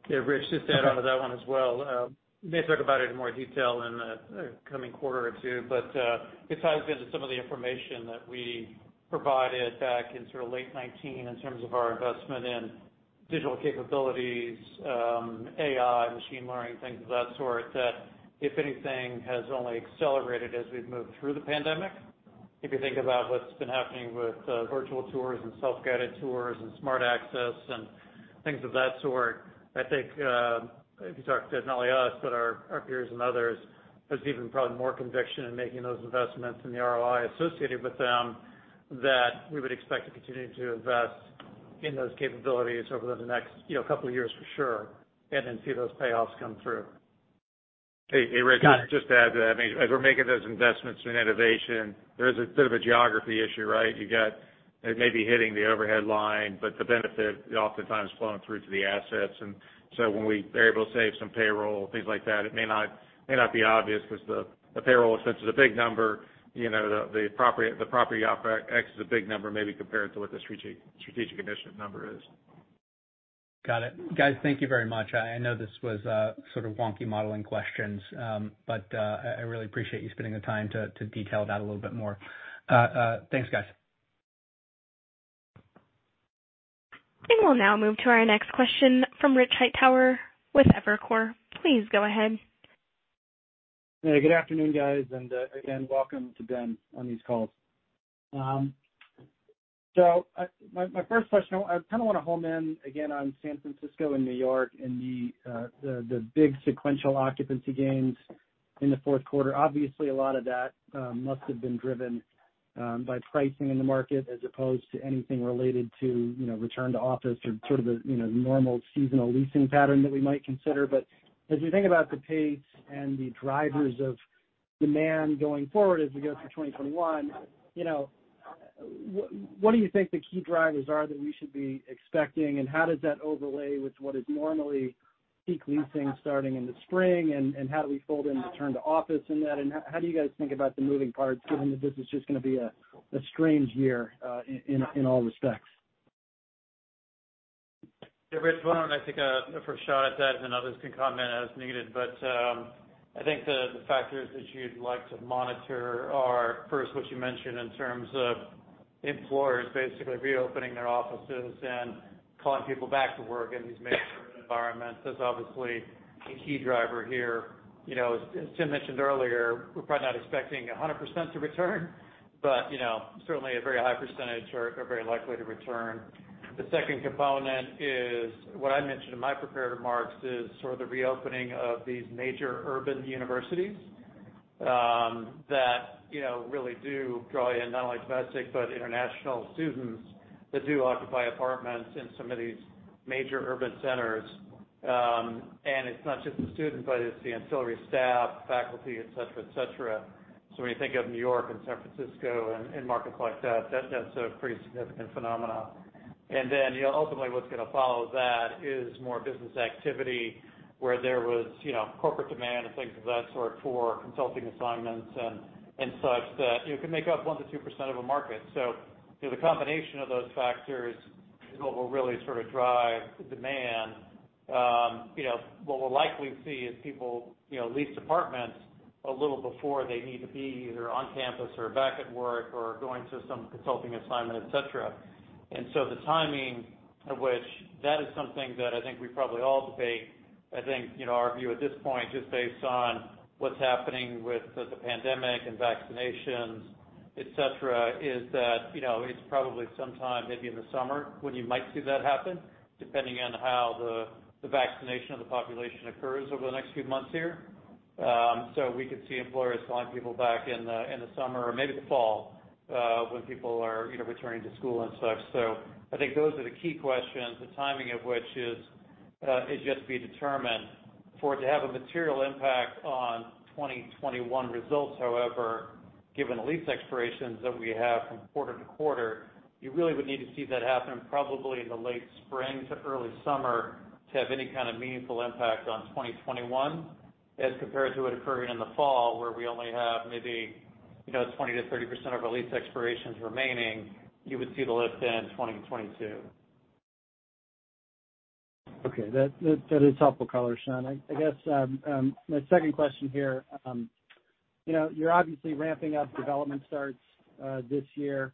Rich, just to add onto that one as well. May talk about it in more detail in the coming quarter or two, but it ties into some of the information that we provided back in sort of late 2019 in terms of our investment in digital capabilities, AI, machine learning, things of that sort, that if anything has only accelerated as we've moved through the pandemic. If you think about what's been happening with virtual tours and self-guided tours and smart access and things of that sort, I think if you talk to not only us, but our peers and others, there's even probably more conviction in making those investments and the ROI associated with them, that we would expect to continue to invest in those capabilities over the next couple of years for sure, and then see those payoffs come through. Hey, Rich. Got it. Just to add to that, as we're making those investments in innovation, there is a bit of a geography issue, right? It may be hitting the overhead line, the benefit oftentimes flowing through to the assets. When we are able to save some payroll, things like that, it may not be obvious because the payroll is such a big number. The property OpEx is a big number maybe compared to what the strategic initiative number is. Got it. Guys, thank you very much. I know this was sort of wonky modeling questions. I really appreciate you spending the time to detail it out a little bit more. Thanks, guys. We'll now move to our next question from Rich Hightower with Evercore. Please go ahead. Good afternoon, guys. Again, welcome to Ben on these calls. My first question, I kind of want to home in again on San Francisco and New York and the big sequential occupancy gains in the fourth quarter. Obviously, a lot of that must have been driven by pricing in the market as opposed to anything related to return to office or sort of a normal seasonal leasing pattern that we might consider. As we think about the pace and the drivers of demand going forward as we go through 2021, what do you think the key drivers are that we should be expecting, and how does that overlay with what is normally peak leasing starting in the spring, and how do we fold in return to office in that? How do you guys think about the moving parts, given that this is just going to be a strange year in all respects? Hey, Rich. Why don't I take a first shot at that, and others can comment as needed. I think the factors that you'd like to monitor are first, what you mentioned in terms of employers basically reopening their offices and calling people back to work in these major urban environments. That's obviously a key driver here. As Tim mentioned earlier, we're probably not expecting 100% to return, but certainly a very high percentage are very likely to return. The second component is what I mentioned in my prepared remarks, is sort of the reopening of these major urban universities that really do draw in not only domestic, but international students that do occupy apartments in some of these major urban centers. It's not just the students, but it's the ancillary staff, faculty, et cetera. When you think of New York and San Francisco and markets like that's a pretty significant phenomenon. Ultimately what's going to follow that is more business activity where there was corporate demand and things of that sort for consulting assignments and such that it could make up 1%-2% of a market. The combination of those factors is what will really sort of drive the demand. What we'll likely see is people lease apartments a little before they need to be either on campus or back at work or going to some consulting assignment, et cetera. The timing of which that is something that I think we probably all debate. I think our view at this point, just based on what's happening with the pandemic and vaccinations, et cetera, is that it's probably sometime maybe in the summer when you might see that happen, depending on how the vaccination of the population occurs over the next few months here. We could see employers calling people back in the summer or maybe the fall when people are returning to school and such. I think those are the key questions, the timing of which is yet to be determined. For it to have a material impact on 2021 results however, given the lease expirations that we have from quarter to quarter, you really would need to see that happen probably in the late spring to early summer to have any kind of meaningful impact on 2021 as compared to it occurring in the fall, where we only have maybe 20%-30% of our lease expirations remaining. You would see the lift in 2022. Okay. That is helpful color, Sean. I guess my second question here. You're obviously ramping up development starts this year.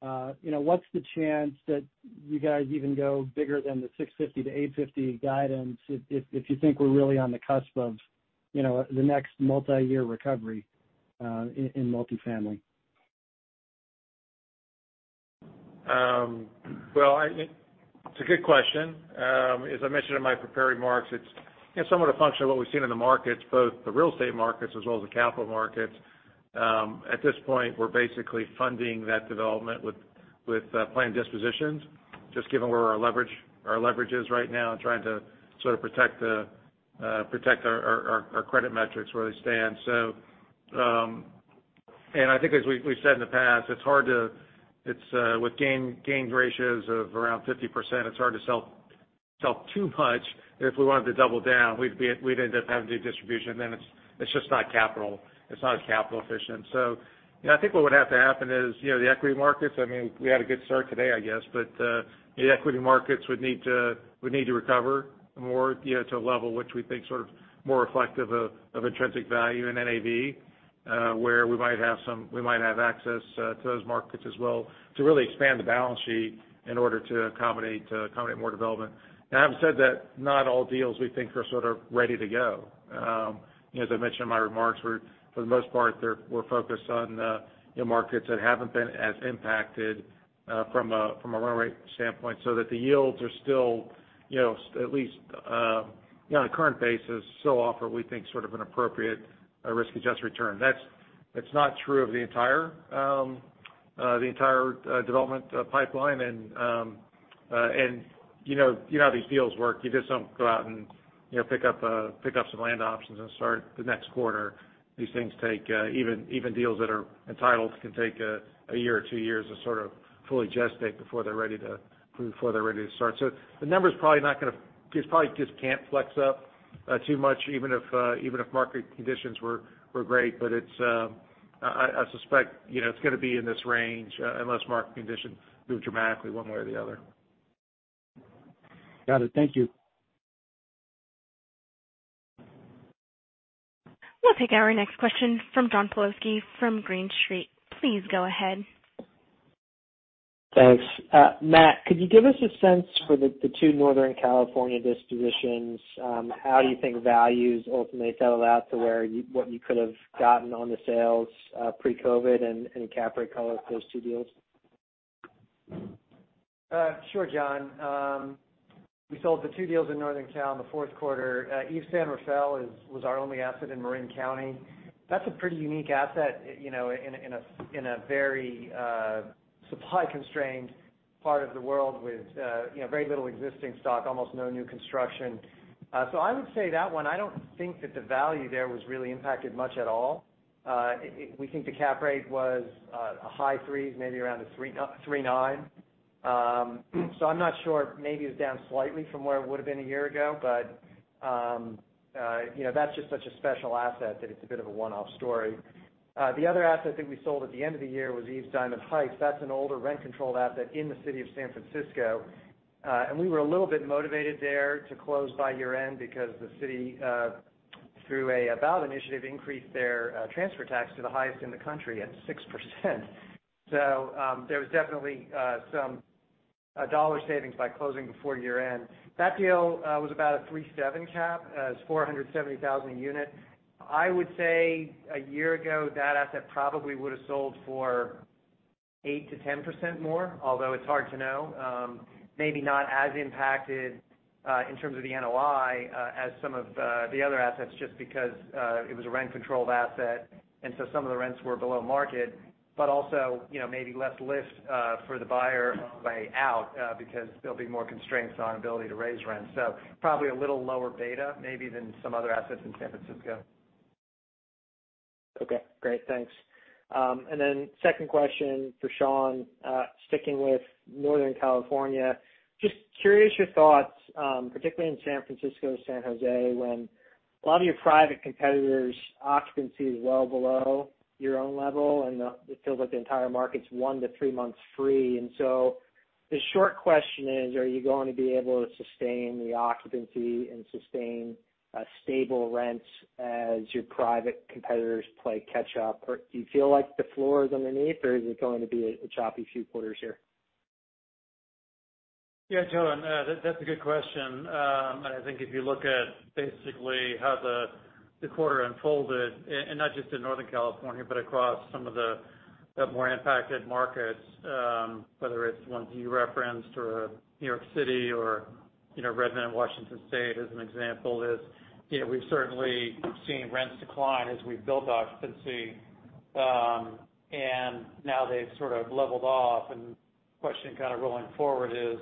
What's the chance that you guys even go bigger than the 650-850 guidance if you think we're really on the cusp of the next multi-year recovery in multifamily? Well, it's a good question. As I mentioned in my prepared remarks, it's somewhat a function of what we've seen in the markets, both the real estate markets as well as the capital markets. At this point, we're basically funding that development with planned dispositions, just given where our leverage is right now and trying to sort of protect our credit metrics where they stand. I think as we've said in the past, with gain ratios of around 50%, it's hard to sell too much. If we wanted to double down, we'd end up having to do distribution then. It's not as capital efficient. I think what would have to happen is the equity markets, we had a good start today, I guess, but the equity markets would need to recover more to a level which we think sort of more reflective of intrinsic value in NAV where we might have access to those markets as well to really expand the balance sheet in order to accommodate more development. Having said that, not all deals we think are sort of ready to go. As I mentioned in my remarks, for the most part, we're focused on markets that haven't been as impacted from a run rate standpoint so that the yields are still at least on a current basis, still offer what we think sort of an appropriate risk-adjusted return. That's not true of the entire development pipeline. You know how these deals work. You just don't go out and pick up some land options and start the next quarter. These things take, even deals that are entitled, can take a year or two years to sort of fully gestate before they're ready to start. The number probably just can't flex up too much, even if market conditions were great. I suspect it's going to be in this range unless market conditions move dramatically one way or the other. Got it. Thank you. We'll take our next question from John Pawlowski from Green Street. Please go ahead. Thanks. Matt, could you give us a sense for the two Northern California distributions? How do you think values ultimately fell out to what you could have gotten on the sales pre-COVID and cap rate color for those two deals? Sure, John. We sold the two deals in Northern Cal in the fourth quarter. eaves San Rafael was our only asset in Marin County. That's a pretty unique asset in a very supply-constrained part of the world with very little existing stock, almost no new construction. I would say that one, I don't think that the value there was really impacted much at all. We think the cap rate was a high threes, maybe around a 3.9. I'm not sure, maybe it was down slightly from where it would've been a year ago. That's just such a special asset that it's a bit of a one-off story. The other asset that we sold at the end of the year was eaves Diamond Heights. That's an older rent-controlled asset in the city of San Francisco. We were a little bit motivated there to close by year-end because the city through a ballot initiative, increased their transfer tax to the highest in the country at 6%. There was definitely some dollar savings by closing before year-end. That deal was about a 3.7 cap. It's 470,000 a unit. I would say a year ago, that asset probably would've sold for 8%-10% more, although it's hard to know. Maybe not as impacted, in terms of the NOI, as some of the other assets, just because it was a rent-controlled asset, and so some of the rents were below market. Also, maybe less lift for the buyer way out, because there'll be more constraints on ability to raise rents. Probably a little lower beta, maybe than some other assets in San Francisco. Okay, great. Thanks. Second question for Sean. Sticking with Northern California, just curious your thoughts, particularly in San Francisco, San Jose, when a lot of your private competitors' occupancy is well below your own level, and it feels like the entire market's one to three months free. The short question is, are you going to be able to sustain the occupancy and sustain stable rents as your private competitors play catch up? Or do you feel like the floor is underneath, or is it going to be a choppy few quarters here? Yeah, John, that's a good question. I think if you look at basically how the quarter unfolded, and not just in Northern California, but across some of the more impacted markets, whether it's ones you referenced or New York City or resident in Washington state as an example is, we've certainly seen rents decline as we've built occupancy. Now they've sort of leveled off, and the question kind of rolling forward is,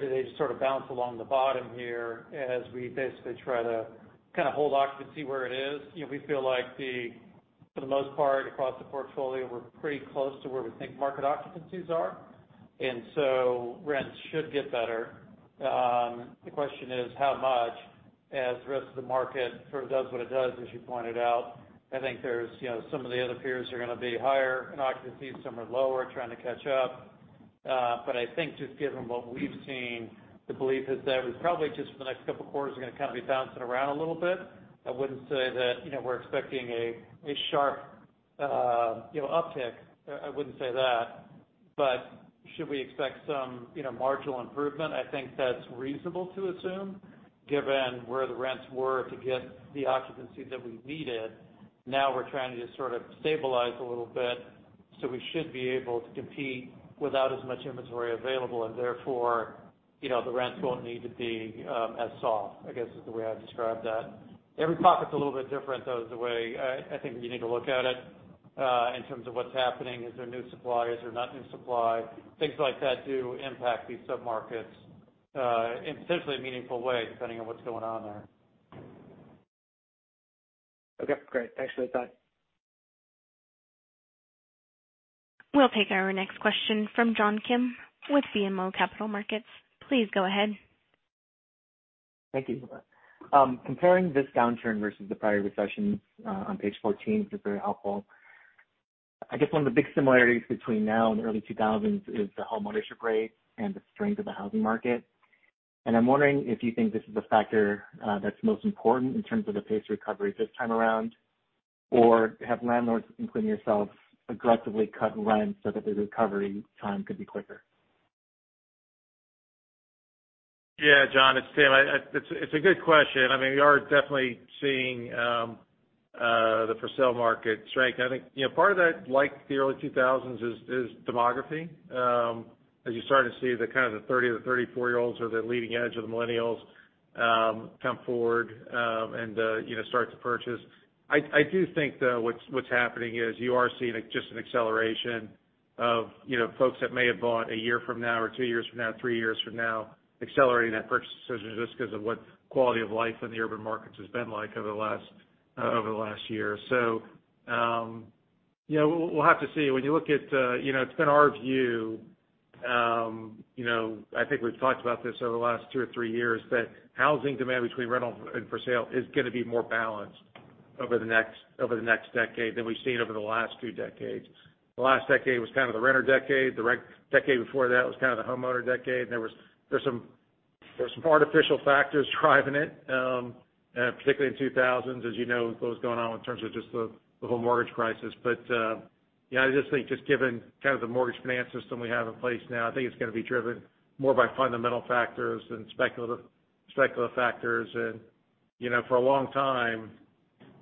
do they just sort of bounce along the bottom here as we basically try to kind of hold occupancy where it is? We feel like for the most part, across the portfolio, we're pretty close to where we think market occupancies are. Rents should get better. The question is how much, as the rest of the market sort of does what it does, as you pointed out. I think some of the other peers are going to be higher in occupancy, some are lower, trying to catch up. I think just given what we've seen, the belief is that we probably just for the next couple of quarters are going to kind of be bouncing around a little bit. I wouldn't say that we're expecting a sharp uptick. I wouldn't say that. Should we expect some marginal improvement? I think that's reasonable to assume, given where the rents were to get the occupancy that we needed. Now we're trying to sort of stabilize a little bit, so we should be able to compete without as much inventory available, and therefore, the rents won't need to be as soft, I guess, is the way I'd describe that. Every pocket's a little bit different, though, is the way I think you need to look at it in terms of what's happening. Is there new supply? Is there not new supply? Things like that do impact these sub-markets in potentially a meaningful way, depending on what's going on there. Okay, great. Thanks for the thought. We'll take our next question from John Kim with BMO Capital Markets. Please go ahead. Thank you. Comparing this downturn versus the prior recession, on page 14, is very helpful. I guess one of the big similarities between now and the early 2000s is the homeownership rate and the strength of the housing market. I'm wondering if you think this is a factor that's most important in terms of the pace of recovery this time around, or have landlords, including yourselves, aggressively cut rents so that the recovery time could be quicker? Yeah, John, it's Tim. It's a good question. We are definitely seeing the for-sale market strength. I think part of that, like the early 2000s, is demography. As you're starting to see the kind of the 30-34-year-olds or the leading edge of the millennials come forward and start to purchase. I do think, though, what's happening is you are seeing just an acceleration of folks that may have bought a year from now or two years from now, three years from now, accelerating that purchase decision just because of what quality of life in the urban markets has been like over the last year. We'll have to see. It's been our view, I think we've talked about this over the last two or three years, that housing demand between rental and for sale is going to be more balanced over the next decade than we've seen over the last two decades. The last decade was kind of the renter decade. The decade before that was kind of the homeowner decade, and there were some artificial factors driving it, particularly in the 2000s, as you know, with what was going on in terms of just the whole mortgage crisis. I just think just given kind of the mortgage finance system we have in place now, I think it's going to be driven more by fundamental factors than speculative factors. For a long time,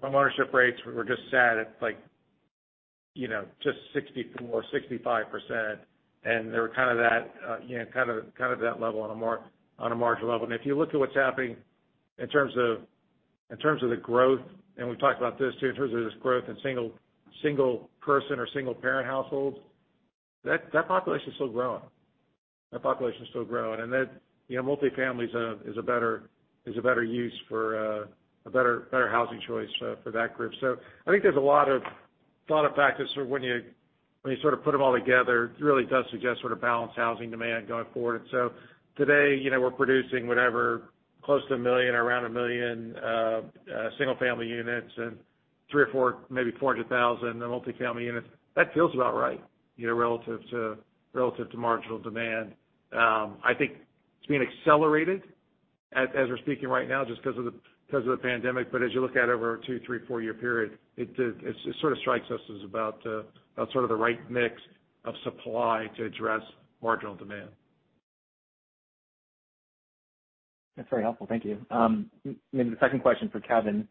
homeownership rates were just sat at like 64%-65%, and they were kind of that level on a margin level. If you look at what's happening in terms of the growth, and we've talked about this too, in terms of this growth in single person or single-parent households. That population is still growing, and multifamily is a better housing choice for that group. I think there's a lot of factors for when you sort of put them all together, it really does suggest sort of balanced housing demand going forward. Today, we're producing close to 1 million or around 1 million single-family units and 300,000 or 400,000 multifamily units. That feels about right, relative to marginal demand. I think it's being accelerated as we're speaking right now, just because of the pandemic. As you look at it over a two, three, four-year period, it sort of strikes us as about sort of the right mix of supply to address marginal demand. That's very helpful. Thank you. Maybe the second question for Kevin.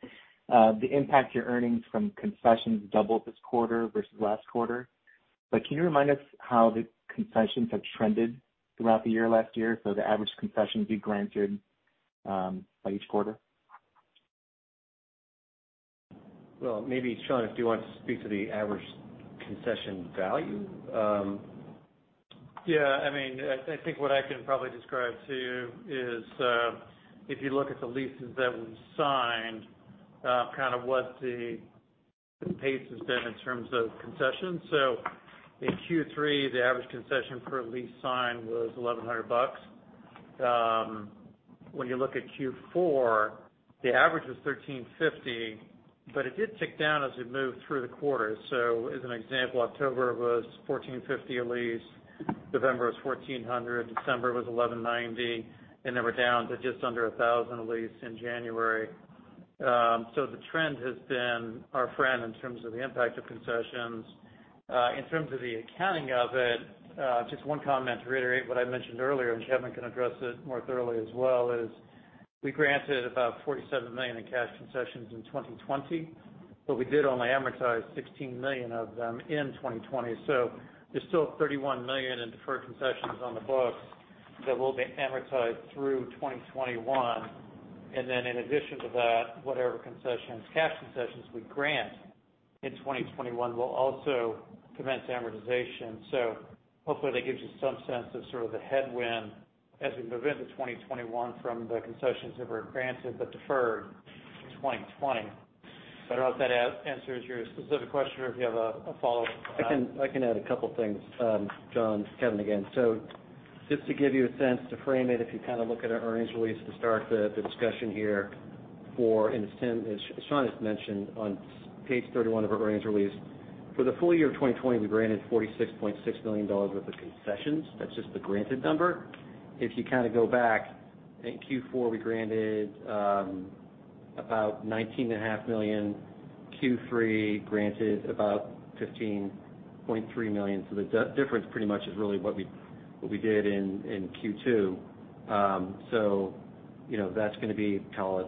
The impact to your earnings from concessions doubled this quarter versus last quarter. Can you remind us how the concessions have trended throughout the year last year? The average concessions you granted by each quarter? Well, maybe Sean, if you want to speak to the average concession value? Yeah. I think what I can probably describe, too, is if you look at the leases that we've signed, kind of what the pace has been in terms of concessions. In Q3, the average concession per lease signed was $1,100. When you look at Q4, the average was $1,350, but it did tick down as we moved through the quarter. As an example, October was $1,450 a lease, November was $1,400, December was $1,190, and then we're down to just under $1,000 a lease in January. The trend has been our friend in terms of the impact of concessions. In terms of the accounting of it, just one comment to reiterate what I mentioned earlier, and Kevin can address it more thoroughly as well, is we granted about $47 million in cash concessions in 2020, but we did only amortize $16 million of them in 2020. There's still $31 million in deferred concessions on the books that will be amortized through 2021. In addition to that, whatever cash concessions we grant in 2021 will also commence amortization. Hopefully that gives you some sense of sort of the headwind as we move into 2021 from the concessions that were granted but deferred in 2020. I don't know if that answers your specific question, or if you have a follow-up. I can add a couple things, John. It's Kevin again. Just to give you a sense, to frame it, if you kind of look at our earnings release to start the discussion here, and as Sean has mentioned on page 31 of our earnings release. For the full year of 2020, we granted $46.6 million worth of concessions. That's just the granted number. If you kind of go back, in Q4, we granted about $19.5 million. Q3 granted about $15.3 million. The difference pretty much is really what we did in Q2. That's going to be, call it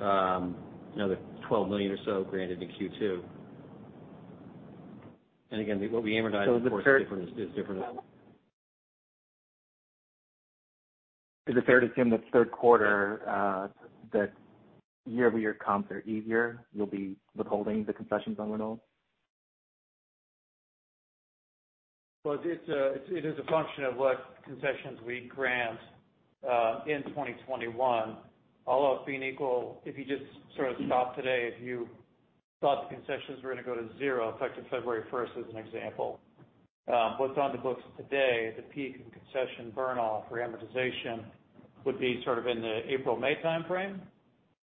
another $12 million or so granted in Q2. Again, what we amortized, of course, is different. Is it fair to assume that third quarter, that year-over-year comps are easier? You'll be withholding the concessions on renewals? Well, it is a function of what concessions we grant in 2021. All else being equal, if you just sort of stop today, if you thought the concessions were going to go to zero effective 1st February, as an example. What's on the books today, the peak in concession burn-off or amortization would be sort of in the April, May timeframe.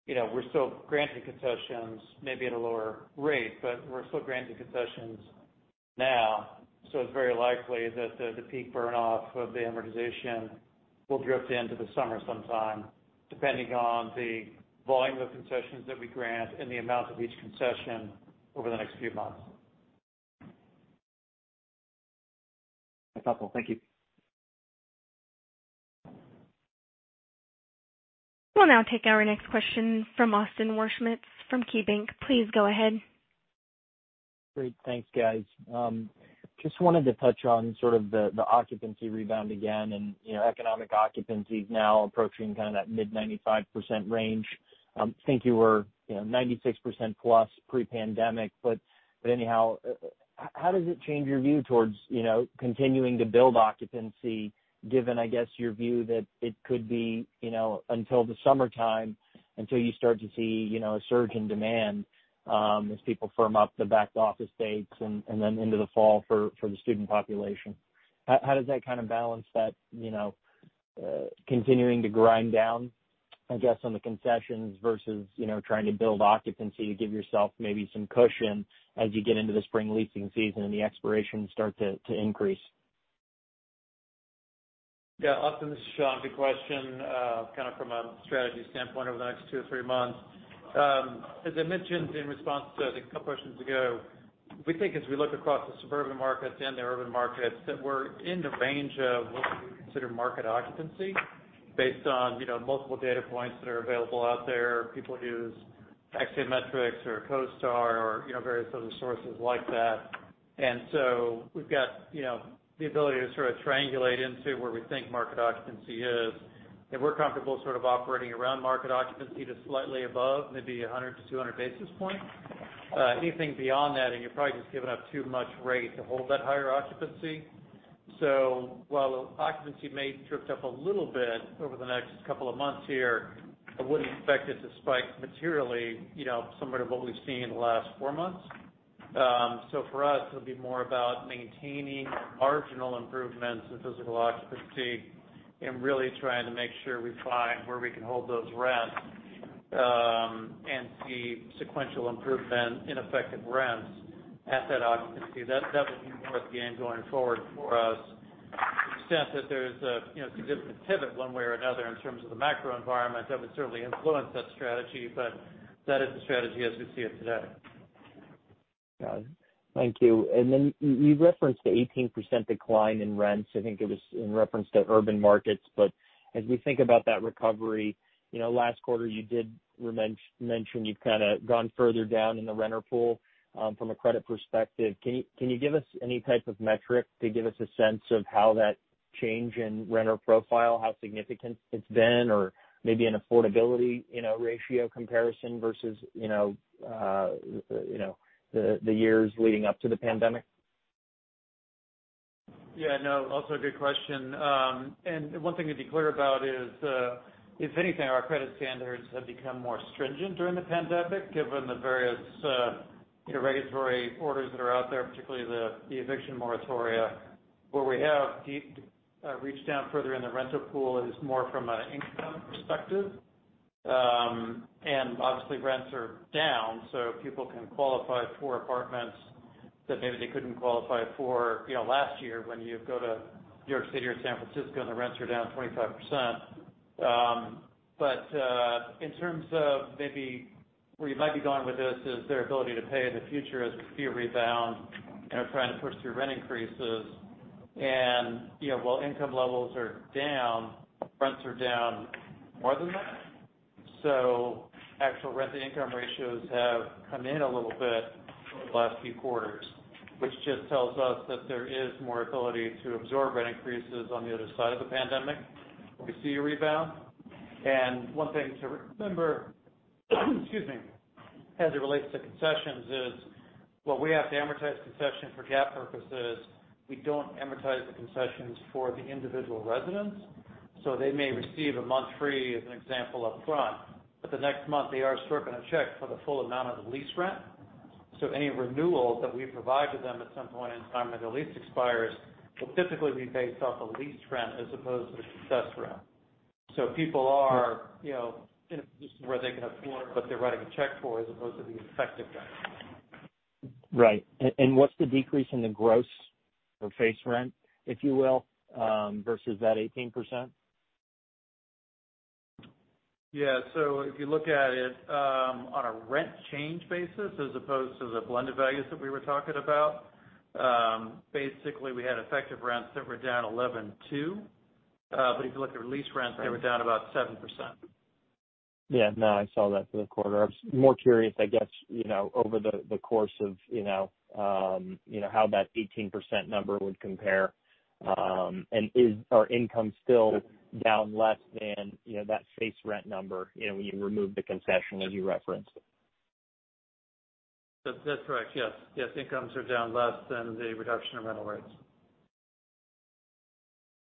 We're still granting concessions maybe at a lower rate, but we're still granting concessions now. It's very likely that the peak burn-off of the amortization will drift into the summer sometime, depending on the volume of concessions that we grant and the amount of each concession over the next few months. That's helpful. Thank you. We'll now take our next question from Austin Wurschmidt from KeyBanc Capital Markets Please go ahead. Great. Thanks, guys. Just wanted to touch on sort of the occupancy rebound again and economic occupancy now approaching kind of that mid-95% range. I think you were 96% plus pre-pandemic. Anyhow, how does it change your view towards continuing to build occupancy, given, I guess, your view that it could be until the summertime until you start to see a surge in demand as people firm up the back-to-office dates and then into the fall for the student population? How does that kind of balance that continuing to grind down, I guess, on the concessions versus trying to build occupancy to give yourself maybe some cushion as you get into the spring leasing season and the expirations start to increase? Austin, this is Sean. Good question. Kind of from a strategy standpoint over the next two or three months. As I mentioned in response to a couple questions ago, we think as we look across the suburban markets and the urban markets, that we're in the range of what we would consider market occupancy. Based on multiple data points that are available out there, people use Axiometrics or CoStar or various other sources like that. We've got the ability to sort of triangulate into where we think market occupancy is. We're comfortable sort of operating around market occupancy to slightly above, maybe 100-200 basis points. Anything beyond that, you're probably just giving up too much rate to hold that higher occupancy. While occupancy may drift up a little bit over the next couple of months here, I wouldn't expect it to spike materially, similar to what we've seen in the last four months. For us, it'll be more about maintaining marginal improvements in physical occupancy and really trying to make sure we find where we can hold those rents, and see sequential improvement in effective rents at that occupancy. That will be net gain going forward for us. To the extent that there's a significant pivot one way or another in terms of the macro environment, that would certainly influence that strategy, but that is the strategy as we see it today. Got it. Thank you. You referenced the 18% decline in rents, I think it was in reference to urban markets. As we think about that recovery, last quarter you did mention you've kind of gone further down in the renter pool, from a credit perspective. Can you give us any type of metric to give us a sense of how that change in renter profile, how significant it's been, or maybe an affordability ratio comparison versus the years leading up to the pandemic? Yeah, no, also a good question. One thing to be clear about is, if anything, our credit standards have become more stringent during the pandemic, given the various regulatory orders that are out there, particularly the eviction moratoria. Where we have reached down further in the renter pool is more from an income perspective. Obviously rents are down, so people can qualify for apartments that maybe they couldn't qualify for last year, when you go to New York City or San Francisco and the rents are down 25%. In terms of maybe where you might be going with this is their ability to pay in the future as we see a rebound and are trying to push through rent increases. While income levels are down, rents are down more than that. Actual rent-to-income ratios have come in a little bit over the last few quarters, which just tells us that there is more ability to absorb rent increases on the other side of the pandemic when we see a rebound. One thing to remember excuse me, as it relates to concessions is, while we have to amortize concessions for GAAP purposes, we don't amortize the concessions for the individual residents. They may receive a month free, as an example, up front, but the next month they are still writing a check for the full amount of the lease rent. Any renewals that we provide to them at some point in time when their lease expires will typically be based off the lease rent as opposed to the uncertain People are in a position where they can afford what they're writing a check for as opposed to the effective rent. Right. What's the decrease in the gross or face rent, if you will, versus that 18%? Yeah. If you look at it on a rent change basis as opposed to the blended values that we were talking about, basically we had effective rents that were down 11% too. If you look at lease rents, they were down about 7%. Yeah, no, I saw that for the quarter. I was more curious, I guess, over the course of how that 18% number would compare. Is our income still down less than that face rent number when you remove the concession as you referenced it? That's correct, yes. Yes, incomes are down less than the reduction in rental rates.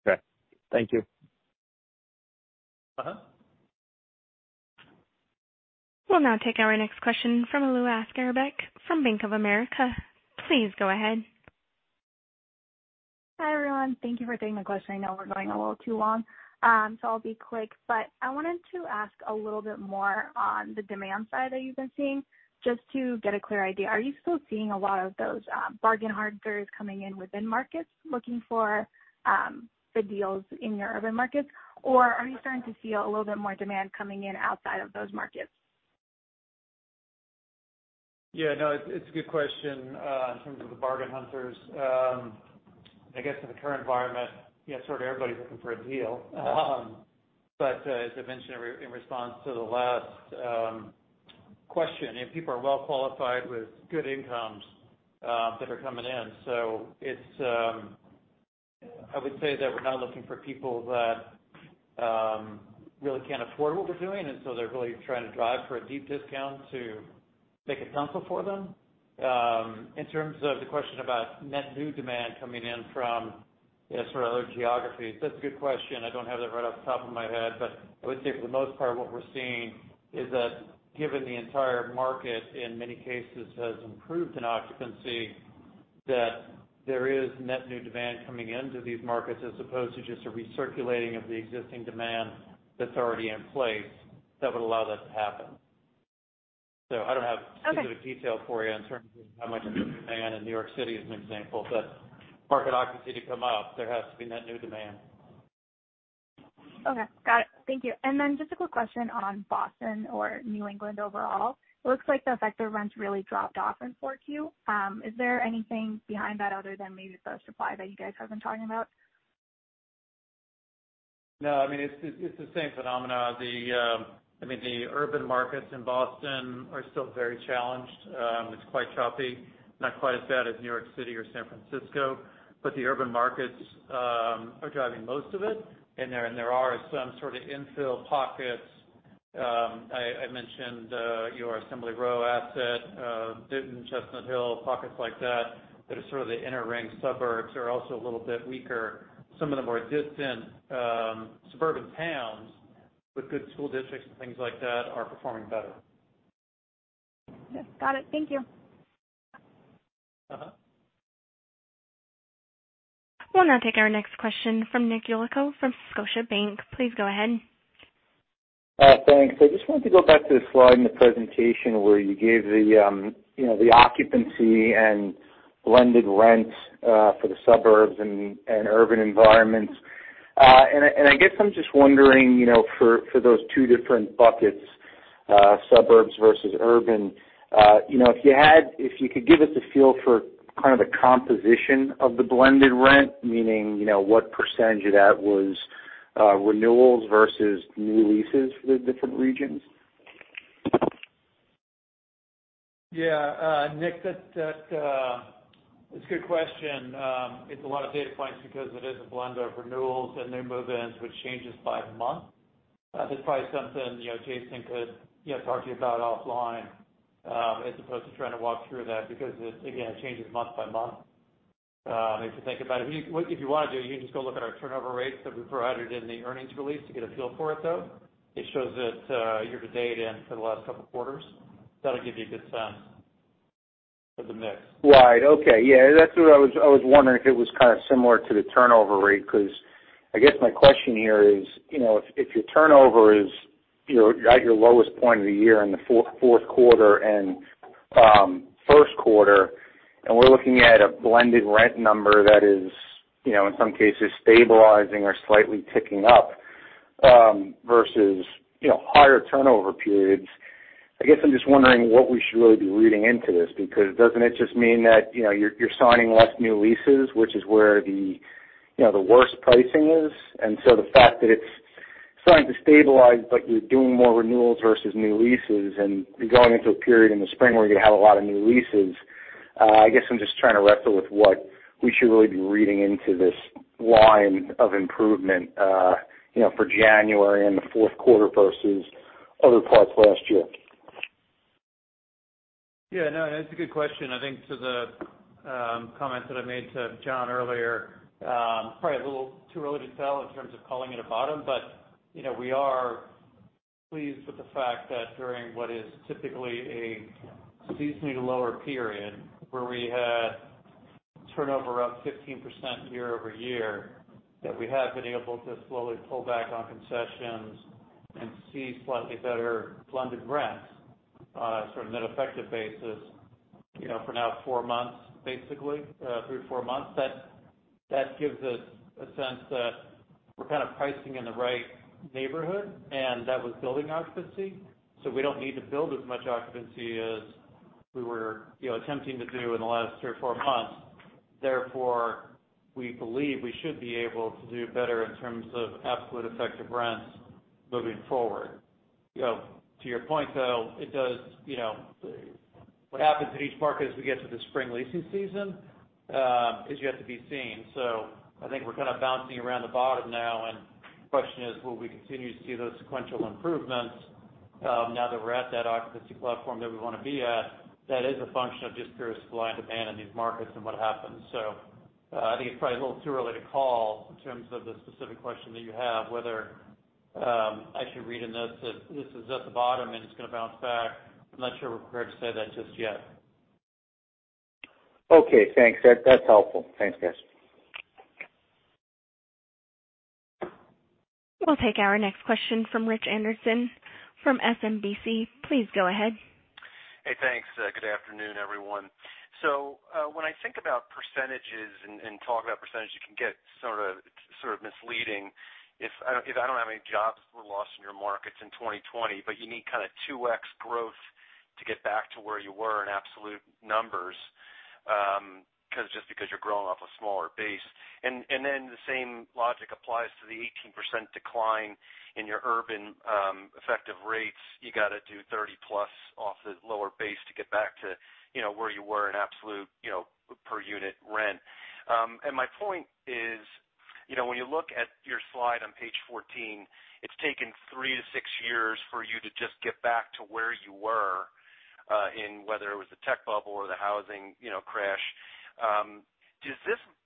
Okay. Thank you. We'll now take our next question from Alua Askarbek from Bank of America. Please go ahead. Hi, everyone. Thank you for taking my question. I know we're going a little too long, so I'll be quick. I wanted to ask a little bit more on the demand side that you've been seeing, just to get a clear idea. Are you still seeing a lot of those bargain hunters coming in within markets looking for good deals in your urban markets? Are you starting to see a little bit more demand coming in outside of those markets? Yeah, no, it's a good question in terms of the bargain hunters. I guess in the current environment, sort of everybody's looking for a deal. As I mentioned in response to the last question, people are well qualified with good incomes that are coming in. I would say that we're not looking for people that really can't afford what we're doing, they're really trying to drive for a deep discount to make it sensible for them. In terms of the question about net new demand coming in from sort of other geographies, that's a good question. I don't have that right off the top of my head. I would say for the most part what we're seeing is that given the entire market in many cases has improved in occupancy, that there is net new demand coming into these markets as opposed to just a recirculating of the existing demand that's already in place that would allow that to happen. I don't have specific detail for you in terms of how much of the demand in New York City, as an example, but for market occupancy to come up, there has to be net new demand. Okay. Got it. Thank you. Just a quick question on Boston or New England overall. It looks like the effective rents really dropped off in 4Q. Is there anything behind that other than maybe the supply that you guys have been talking about? No, it's the same phenomena. The urban markets in Boston are still very challenged. It's quite choppy, not quite as bad as New York City or San Francisco, but the urban markets are driving most of it. There are some sort of infill pockets. I mentioned your Assembly Row asset, Newton Chestnut Hill, pockets like that are sort of the inner ring suburbs are also a little bit weaker. Some of the more distant suburban towns with good school districts and things like that are performing better. Yes. Got it. Thank you. We'll now take our next question from Nick Yulico from Scotiabank. Please go ahead. Thanks. I just wanted to go back to the slide in the presentation where you gave the occupancy and blended rents for the suburbs and urban environments. I guess I'm just wondering, for those two different buckets, suburbs versus urban, if you could give us a feel for kind of a composition of the blended rent, meaning, what percentage of that was renewals versus new leases for the different regions? Yeah. Nick, that's a good question. It's a lot of data points because it is a blend of renewals and new move-ins, which changes by month. That's probably something Jason could talk to you about offline, as opposed to trying to walk through that, because it, again, changes month by month. Makes you think about it. If you want to, you can just go look at our turnover rates that we provided in the earnings release to get a feel for it, though. It shows it year to date and for the last couple of quarters. That'll give you a good sense of the mix. Right. Okay. Yeah, that's what I was wondering, if it was kind of similar to the turnover rate, because I guess my question here is, if your turnover is at your lowest point of the year in the fourth quarter and first quarter, and we're looking at a blended rent number that is, in some cases, stabilizing or slightly ticking up, versus higher turnover periods. I guess I'm just wondering what we should really be reading into this, because doesn't it just mean that you're signing less new leases, which is where the worst pricing is? The fact that it's starting to stabilize, but you're doing more renewals versus new leases, and you're going into a period in the spring where you have a lot of new leases. I guess I'm just trying to wrestle with what we should really be reading into this line of improvement for January and the fourth quarter versus other parts last year. Yeah, no, that's a good question. I think to the comment that I made to John earlier, probably a little too early to tell in terms of calling it a bottom. We are pleased with the fact that during what is typically a seasonally lower period, where we had turnover up 15% year-over-year, that we have been able to slowly pull back on concessions and see slightly better blended rents on a sort of net effective basis for now four months, basically, three or four months. That gives us a sense that we're kind of pricing in the right neighborhood, and that was building occupancy. We don't need to build as much occupancy as we were attempting to do in the last three or four months. Therefore, we believe we should be able to do better in terms of absolute effective rents moving forward. To your point, though, what happens in each market as we get to the spring leasing season is yet to be seen. I think we're kind of bouncing around the bottom now, and the question is, will we continue to see those sequential improvements now that we're at that occupancy platform that we want to be at? That is a function of just pure supply and demand in these markets and what happens. I think it's probably a little too early to call in terms of the specific question that you have, whether I should read in this that this is at the bottom and it's going to bounce back. I'm not sure we're prepared to say that just yet. Okay, thanks. That's helpful. Thanks, guys. We'll take our next question from Rich Anderson from SMBC. Please go ahead. Hey, thanks. Good afternoon, everyone. When I think about percentages and talk about percentages, it can get sort of misleading. If I don't have any jobs lost in your markets in 2020, but you need kind of 2X growth to get back to where you were in absolute numbers, just because you're growing off a smaller base. The same logic applies to the 18% decline in your urban effective rates. You got to do 30+ off the lower base to get back to where you were in absolute per-unit rent. My point is, when you look at your slide on page 14, it's taken 3-6 years for you to just get back to where you were, in whether it was the tech bubble or the housing crash.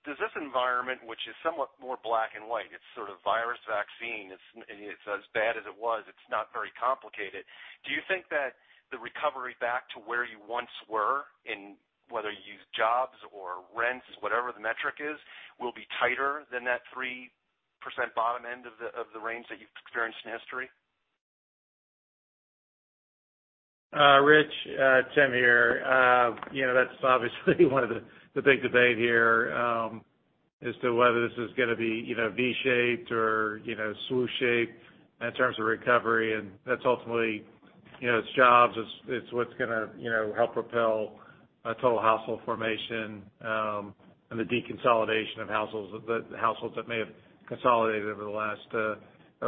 Does this environment, which is somewhat more black and white, it's sort of virus, vaccine. As bad as it was, it's not very complicated. Do you think that the recovery back to where you once were in whether you use jobs or rents, whatever the metric is, will be tighter than that 3% bottom end of the range that you've experienced in history? Rich, Tim here. That's obviously one of the big debate here as to whether this is going to be V-shaped or swoosh shaped in terms of recovery, and that's ultimately. It's jobs, it's what's going to help propel total household formation, and the deconsolidation of households that may have consolidated over the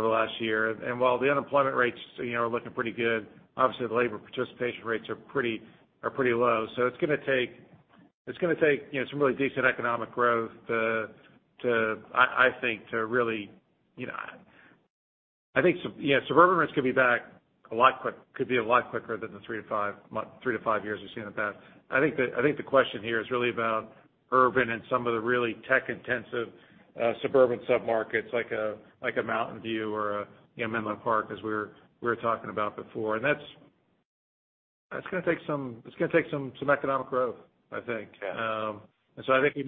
last year. While the unemployment rates are looking pretty good, obviously the labor participation rates are pretty low. It's going to take some really decent economic growth, I think, to really I think suburban rents could be back a lot quicker than the three to five years we've seen in the past. I think the question here is really about urban and some of the really tech-intensive suburban sub-markets, like a Mountain View or a Menlo Park, as we were talking about before. That's going to take some economic growth, I think. Yeah. I think we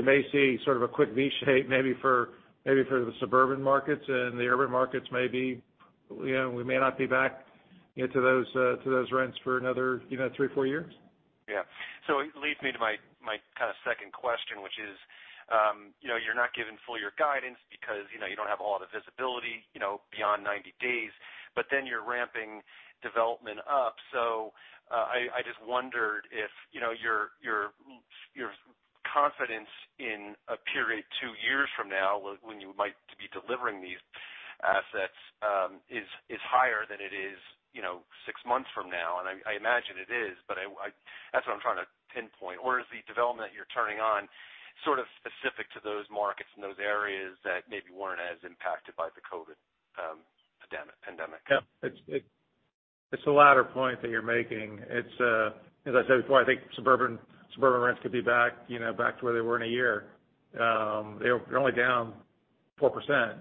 may see sort of a quick V shape maybe for the suburban markets. The urban markets, maybe we may not be back into those rents for another three or four years. Yeah. It leads me to my kind of second question, which is, you're not giving full year guidance because you don't have a lot of visibility beyond 90 days. You're ramping development up. I just wondered if your confidence in a period two years from now, when you might be delivering these assets, is higher than it is six months from now. I imagine it is. That's what I'm trying to pinpoint. Is the development you're turning on sort of specific to those markets and those areas that maybe weren't as impacted by the COVID pandemic? Yeah. It's the latter point that you're making. As I said before, I think suburban rents could be back to where they were in a year. They're only down 4%.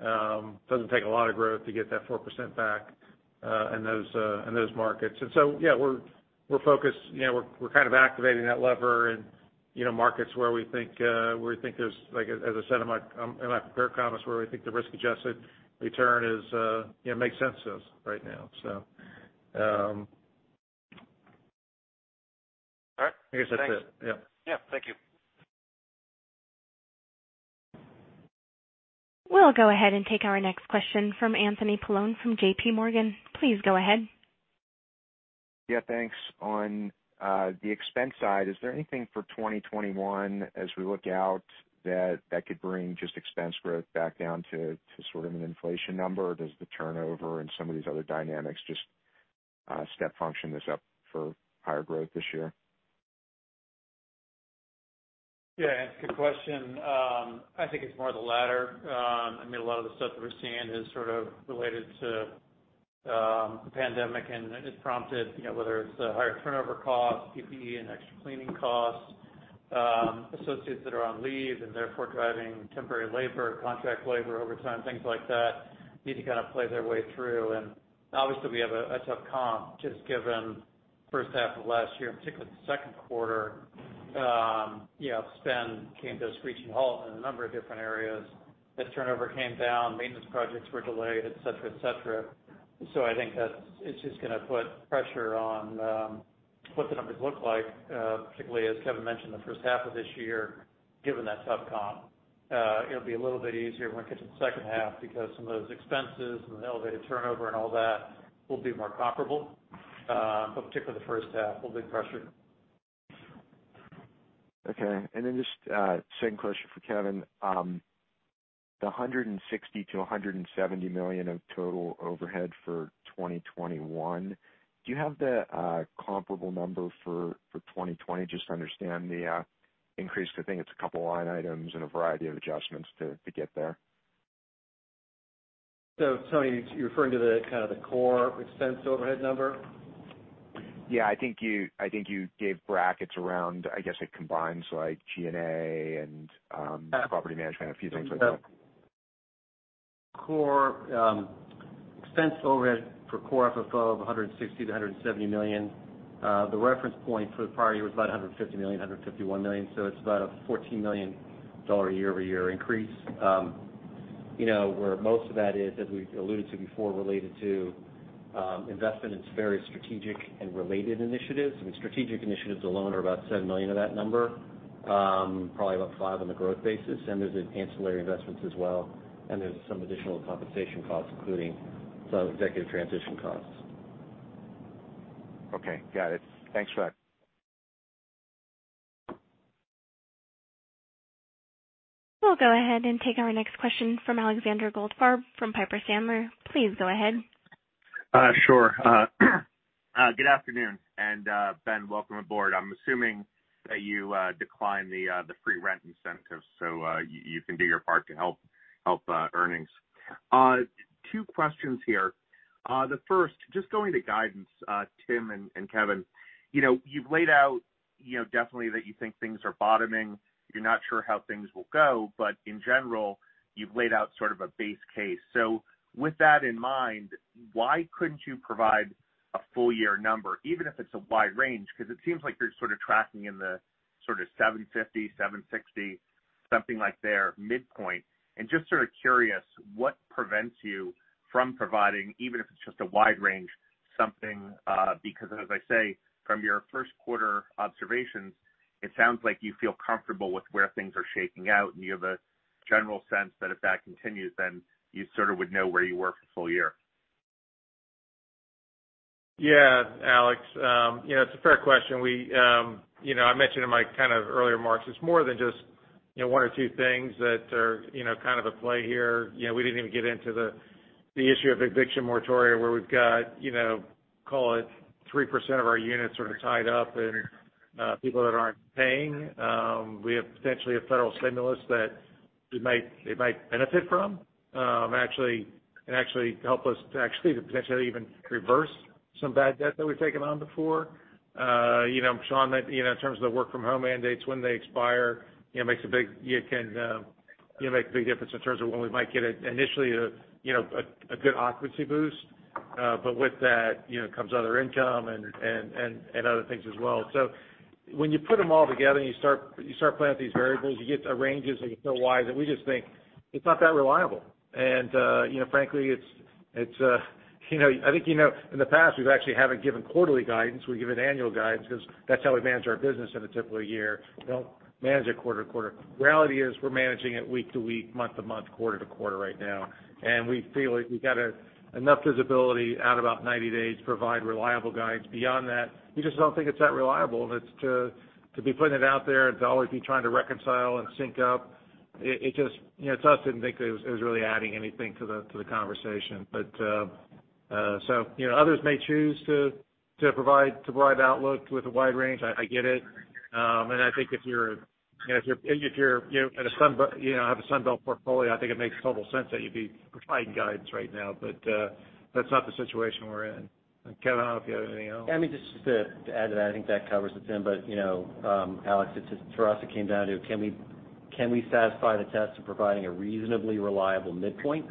It doesn't take a lot of growth to get that 4% back in those markets. We're focused. We're kind of activating that lever in markets where we think there's, as I said in my prepared comments, where we think the risk-adjusted return makes sense to us right now. All right. I guess that's it. Yeah. Yeah. Thank you. We'll go ahead and take our next question from Anthony Paolone from JPMorgan. Please go ahead. Yeah, thanks. On the expense side, is there anything for 2021 as we look out that could bring just expense growth back down to sort of an inflation number? Or does the turnover and some of these other dynamics just step function this up for higher growth this year? Yeah. Good question. I think it's more the latter. I mean, a lot of the stuff that we're seeing is sort of related to the pandemic and is prompted, whether it's the higher turnover costs, PPE and extra cleaning costs, associates that are on leave and therefore driving temporary labor, contract labor, overtime, things like that, need to kind of play their way through. Obviously we have a tough comp, just given the first half of last year, and particularly the second quarter. Spend came to a screeching halt in a number of different areas. The turnover came down, maintenance projects were delayed, et cetera. I think that it's just going to put pressure on what the numbers look like, particularly as Kevin mentioned, the first half of this year, given that tough comp. It'll be a little bit easier when we get to the second half because some of those expenses and the elevated turnover and all that will be more comparable. Particularly the first half will be pressured. Okay. Just a second question for Kevin. The $160 million-$170 million of total overhead for 2021, do you have the comparable number for 2020, just to understand the increase? I think it's a couple line items and a variety of adjustments to get there. Tony, you're referring to kind of the core expense overhead number? I think you gave brackets around, I guess it combines like G&A and property management, a few things like that. Core expense overhead for core FFO of $160 million-$170 million. The reference point for the prior year was about $150 million-$151 million, so it's about a $14 million year-over-year increase. Where most of that is, as we alluded to before, related to investment in various strategic and related initiatives. I mean, strategic initiatives alone are about $7 million of that number. Probably about five on the growth basis, there's ancillary investments as well. There's some additional compensation costs, including some executive transition costs. Okay. Got it. Thanks for that. We'll go ahead and take our next question from Alexander Goldfarb from Piper Sandler. Please go ahead. Sure. Good afternoon. Ben, welcome aboard. I'm assuming that you declined the free rent incentive so you can do your part to help earnings. Two questions here. The first, just going to guidance, Tim and Kevin. You've laid out definitely that you think things are bottoming. You're not sure how things will go, but in general, you've laid out sort of a base case. With that in mind, why couldn't you provide a full year number, even if it's a wide range? Because it seems like you're sort of tracking in the sort of 750, 760, something like there, midpoint. Just sort of curious, what prevents you from providing, even if it's just a wide range, something. Because as I say, from your first quarter observations, it sounds like you feel comfortable with where things are shaking out, and you have a. General sense that if that continues, then you sort of would know where you were for the full year. Yeah, Alex, it's a fair question. I mentioned in my kind of earlier remarks, it's more than just one or two things that are kind of a play here. We didn't even get into the issue of eviction moratoria, where we've got call it 3% of our units sort of tied up and people that aren't paying. We have potentially a federal stimulus that it might benefit from and actually help us to actually potentially even reverse some bad debt that we've taken on before. Sean, in terms of the work from home mandates, when they expire, it makes a big difference in terms of when we might get initially a good occupancy boost. With that comes other income and other things as well. When you put them all together and you start playing with these variables, you get a range that's so wide that we just think it's not that reliable. Frankly, I think in the past, we actually haven't given quarterly guidance. We've given annual guidance because that's how we manage our business in a typical year. We don't manage it quarter to quarter. Reality is we're managing it week to week, month to month, quarter to quarter right now, and we feel like we've got enough visibility out about 90 days to provide reliable guidance. Beyond that, we just don't think it's that reliable, and to be putting it out there and to always be trying to reconcile and sync up, it just, to us, didn't think it was really adding anything to the conversation. Others may choose to provide outlook with a wide range. I get it. I think if you have a Sun Belt portfolio, I think it makes total sense that you'd be providing guidance right now. That's not the situation we're in. Kevin, I don't know if you have anything to add. Just to add to that, I think that covers it, Tim. Alexander, for us, it came down to can we satisfy the test of providing a reasonably reliable midpoint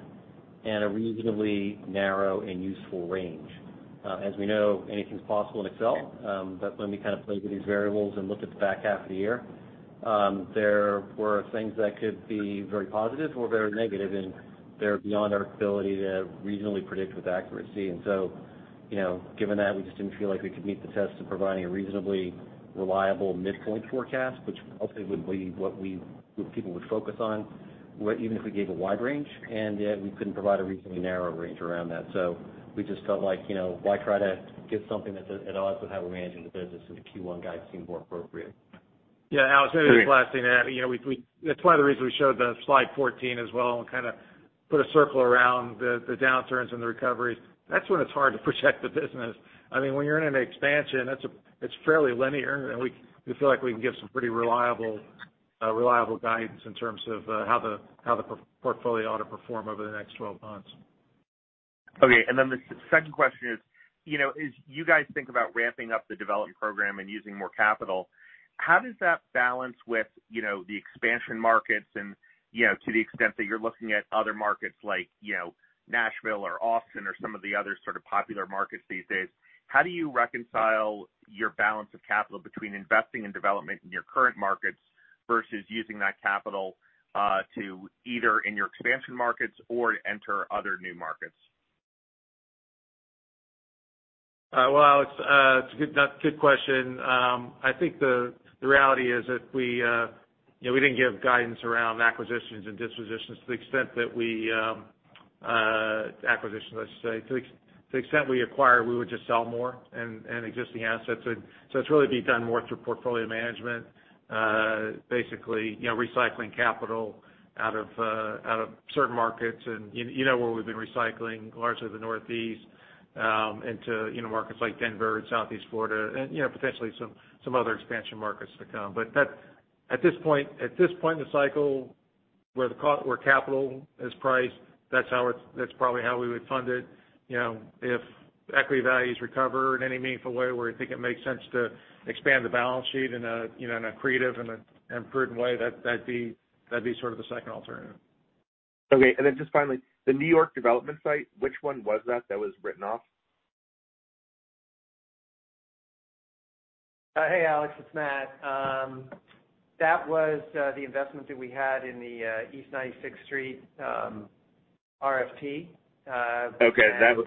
and a reasonably narrow and useful range? As we know, anything's possible in Excel. When we kind of played with these variables and looked at the back half of the year, there were things that could be very positive or very negative, and they're beyond our ability to reasonably predict with accuracy. Given that, we just didn't feel like we could meet the test of providing a reasonably reliable midpoint forecast, which ultimately would be what people would focus on, even if we gave a wide range. Yet we couldn't provide a reasonably narrow range around that. We just felt like, why try to give something that at odds with how we're managing the business, and the Q1 guide seemed more appropriate. Yeah. Alexander, maybe just last thing to add. That's one of the reasons we showed slide 14 as well and kind of put a circle around the downturns and the recoveries. That's when it's hard to project the business. When you're in an expansion, it's fairly linear, and we feel like we can give some pretty reliable guidance in terms of how the portfolio ought to perform over the next 12 months. Okay, the second question is, as you guys think about ramping up the development program and using more capital, how does that balance with the expansion markets and to the extent that you're looking at other markets like Nashville or Austin or some of the other sort of popular markets these days? How do you reconcile your balance of capital between investing in development in your current markets versus using that capital to either in your expansion markets or to enter other new markets? Well, Alex, it's a good question. I think the reality is if we didn't give guidance around acquisitions and dispositions. Acquisitions, let's say. To the extent we acquire, we would just sell more in existing assets. It'd really be done more through portfolio management. Basically, recycling capital out of certain markets. You know where we've been recycling, largely the Northeast into markets like Denver and Southeast Florida and potentially some other expansion markets to come. At this point in the cycle where capital is priced, that's probably how we would fund it. If equity values recover in any meaningful way where we think it makes sense to expand the balance sheet in a creative and a prudent way, that'd be sort of the second alternative. Okay, just finally, the New York development site, which one was that was written off? Hey, Alexander, it's Matt. That was the investment that we had in the East 96th Street, RFP. Okay. That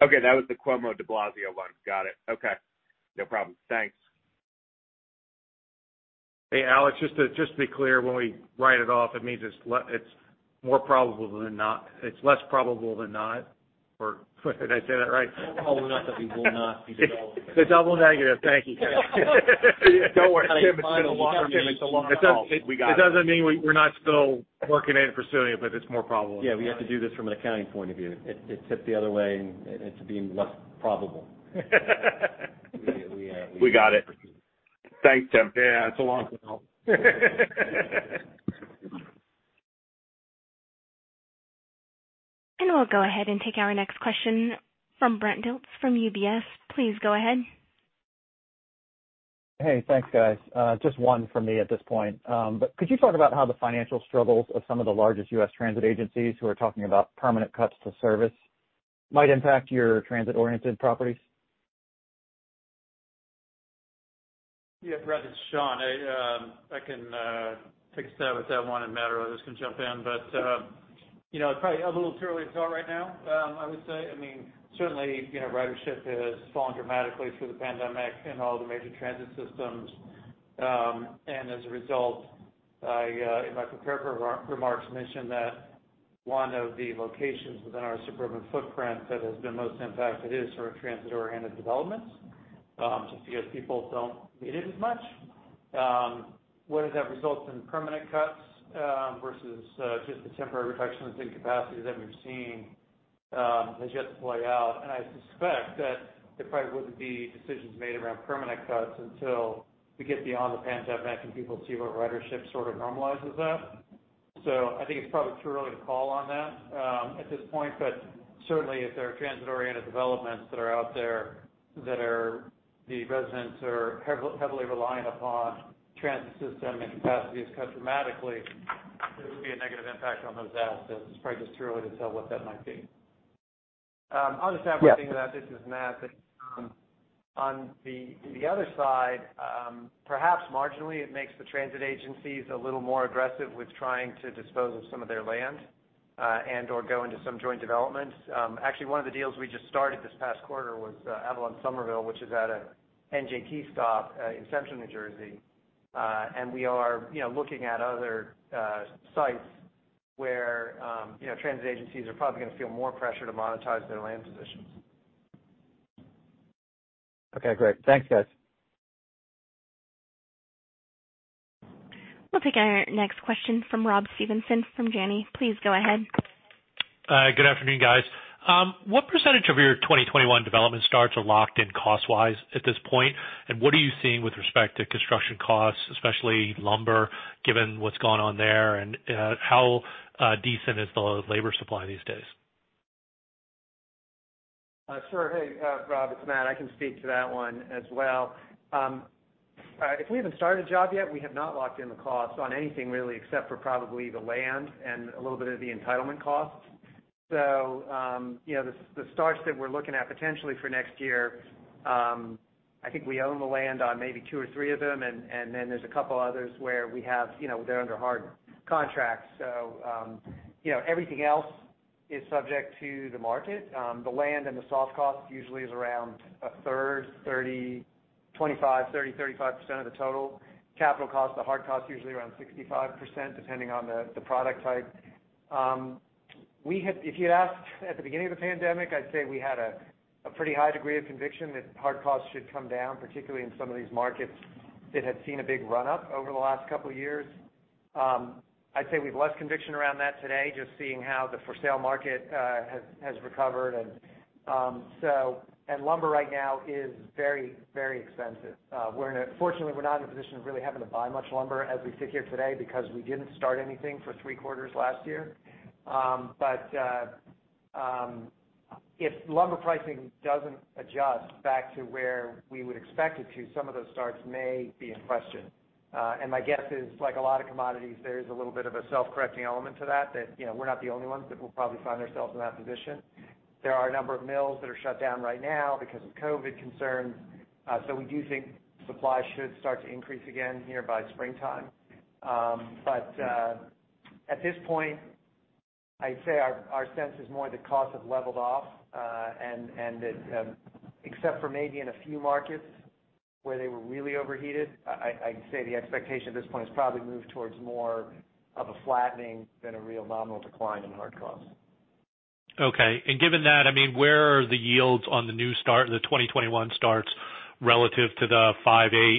was the Cuomo de Blasio one. Got it. Okay. No problem. Thanks. Hey, Alexander, just to be clear, when we write it off, it means it's less probable than not, or did I say that right? More probable not that we will not be developing it. It's double negative. Thank you. Don't worry, Tim. It's been a long call. We got it. It doesn't mean we're not still working it and pursuing it, but it's more probable. Yeah, we have to do this from an accounting point of view. It tipped the other way into being less probable. We got it. Thanks, Tim. Yeah, it's a long call. We'll go ahead and take our next question from Brent Dilts from UBS. Please go ahead. Hey, thanks, guys. Just one from me at this point. Could you talk about how the financial struggles of some of the largest U.S. transit agencies who are talking about permanent cuts to service might impact your transit-oriented properties? Yeah, Brent, it's Sean. I can take a stab at that one, and Matt or others can jump in. It's probably a little too early to tell right now, I would say. Certainly, ridership has fallen dramatically through the pandemic in all the major transit systems. As a result, in my prepared remarks, mentioned that one of the locations within our suburban footprint that has been most impacted is sort of transit-oriented developments, just because people don't need it as much. Whether that results in permanent cuts versus just the temporary reductions in capacity that we've seen has yet to play out. I suspect that there probably wouldn't be decisions made around permanent cuts until we get beyond the pandemic and people see where ridership sort of normalizes at. I think it's probably too early to call on that at this point. Certainly, if there are transit-oriented developments that are out there that the residents are heavily reliant upon transit system and capacity is cut dramatically, there would be a negative impact on those assets. It is probably just too early to tell what that might be. The other side, perhaps marginally, it makes the transit agencies a little more aggressive with trying to dispose of some of their land and/or go into some joint developments. Actually, one of the deals we just started this past quarter was Avalon Somerville, which is at a NJT stop in Central New Jersey. We are looking at other sites where transit agencies are probably going to feel more pressure to monetize their land positions. Okay, great. Thanks, guys. We'll take our next question from Rob Stevenson from Janney. Please go ahead. Good afternoon, guys. What percentage of your 2021 development starts are locked in cost-wise at this point? What are you seeing with respect to construction costs, especially lumber, given what's gone on there, and how decent is the labor supply these days? Sure. Hey, Rob, it's Matt. I can speak to that one as well. If we haven't started a job yet, we have not locked in the cost on anything really, except for probably the land and a little bit of the entitlement costs. The starts that we're looking at potentially for next year, I think we own the land on maybe two or three of them, and then there's a couple others where they're under hard contracts. Everything else is subject to the market. The land and the soft cost usually is around a third, 25%, 30%, 35% of the total capital cost. The hard cost usually around 65%, depending on the product type. If you'd asked at the beginning of the pandemic, I'd say we had a pretty high degree of conviction that hard costs should come down, particularly in some of these markets that had seen a big run-up over the last couple of years. I'd say we've less conviction around that today, just seeing how the for sale market has recovered. Lumber right now is very expensive. Fortunately, we're not in a position of really having to buy much lumber as we sit here today because we didn't start anything for three quarters last year. If lumber pricing doesn't adjust back to where we would expect it to, some of those starts may be in question. My guess is, like a lot of commodities, there is a little bit of a self-correcting element to that. We're not the only ones that will probably find ourselves in that position. There are a number of mills that are shut down right now because of COVID concerns. We do think supply should start to increase again here by springtime. At this point, I'd say our sense is more the costs have leveled off, and that except for maybe in a few markets where they were really overheated, I'd say the expectation at this point has probably moved towards more of a flattening than a real nominal decline in hard costs. Okay. Given that, where are the yields on the new start, the 2021 starts, relative to the 5.8%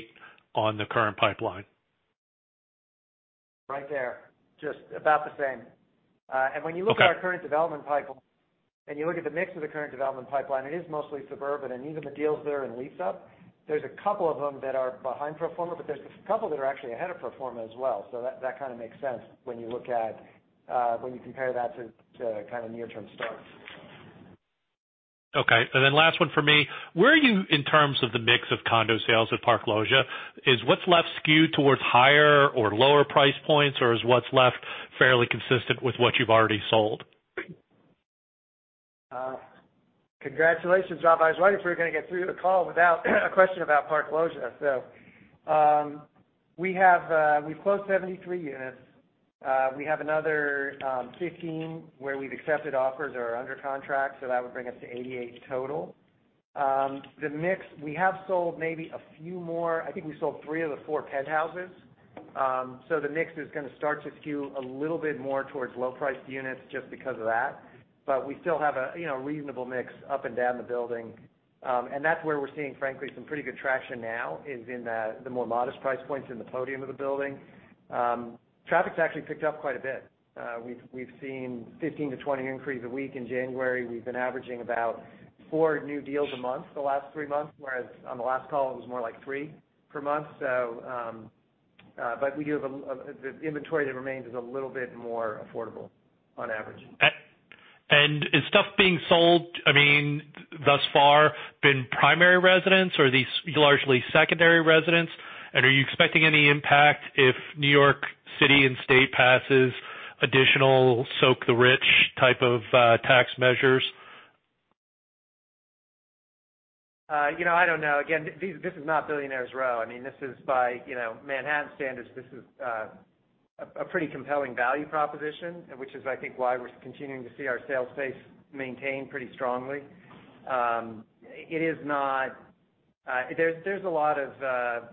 on the current pipeline? Right there. Just about the same. Okay. When you look at our current development pipeline, and you look at the mix of the current development pipeline, it is mostly suburban. Even the deals that are in lease up, there's a couple of them that are behind pro forma, but there's a couple that are actually ahead of pro forma as well. That kind of makes sense when you compare that to kind of near term starts. Okay. Last one from me. Where are you in terms of the mix of condo sales at Park Loggia? Is what's left skewed towards higher or lower price points, or is what's left fairly consistent with what you've already sold? Congratulations, Rob. I was wondering if we were going to get through the call without a question about Park Loggia. We closed 73 units. We have another 15 where we've accepted offers or are under contract, so that would bring us to 88 total. The mix, we have sold maybe a few more. I think we sold three of the four penthouses. The mix is going to start to skew a little bit more towards low priced units just because of that. We still have a reasonable mix up and down the building. That's where we're seeing, frankly, some pretty good traction now is in the more modest price points in the podium of the building. Traffic's actually picked up quite a bit. We've seen 15-20 inquiries a week in January. We've been averaging about four new deals a month the last three months, whereas on the last call, it was more like three per month. The inventory that remains is a little bit more affordable on average. Is stuff being sold thus far been primary residence, or are these largely secondary residents? Are you expecting any impact if New York City and State passes additional soak the rich type of tax measures? I don't know. Again, this is not Billionaire's Row. By Manhattan standards, this is a pretty compelling value proposition, which is, I think, why we're continuing to see our sales pace maintain pretty strongly. There's a lot of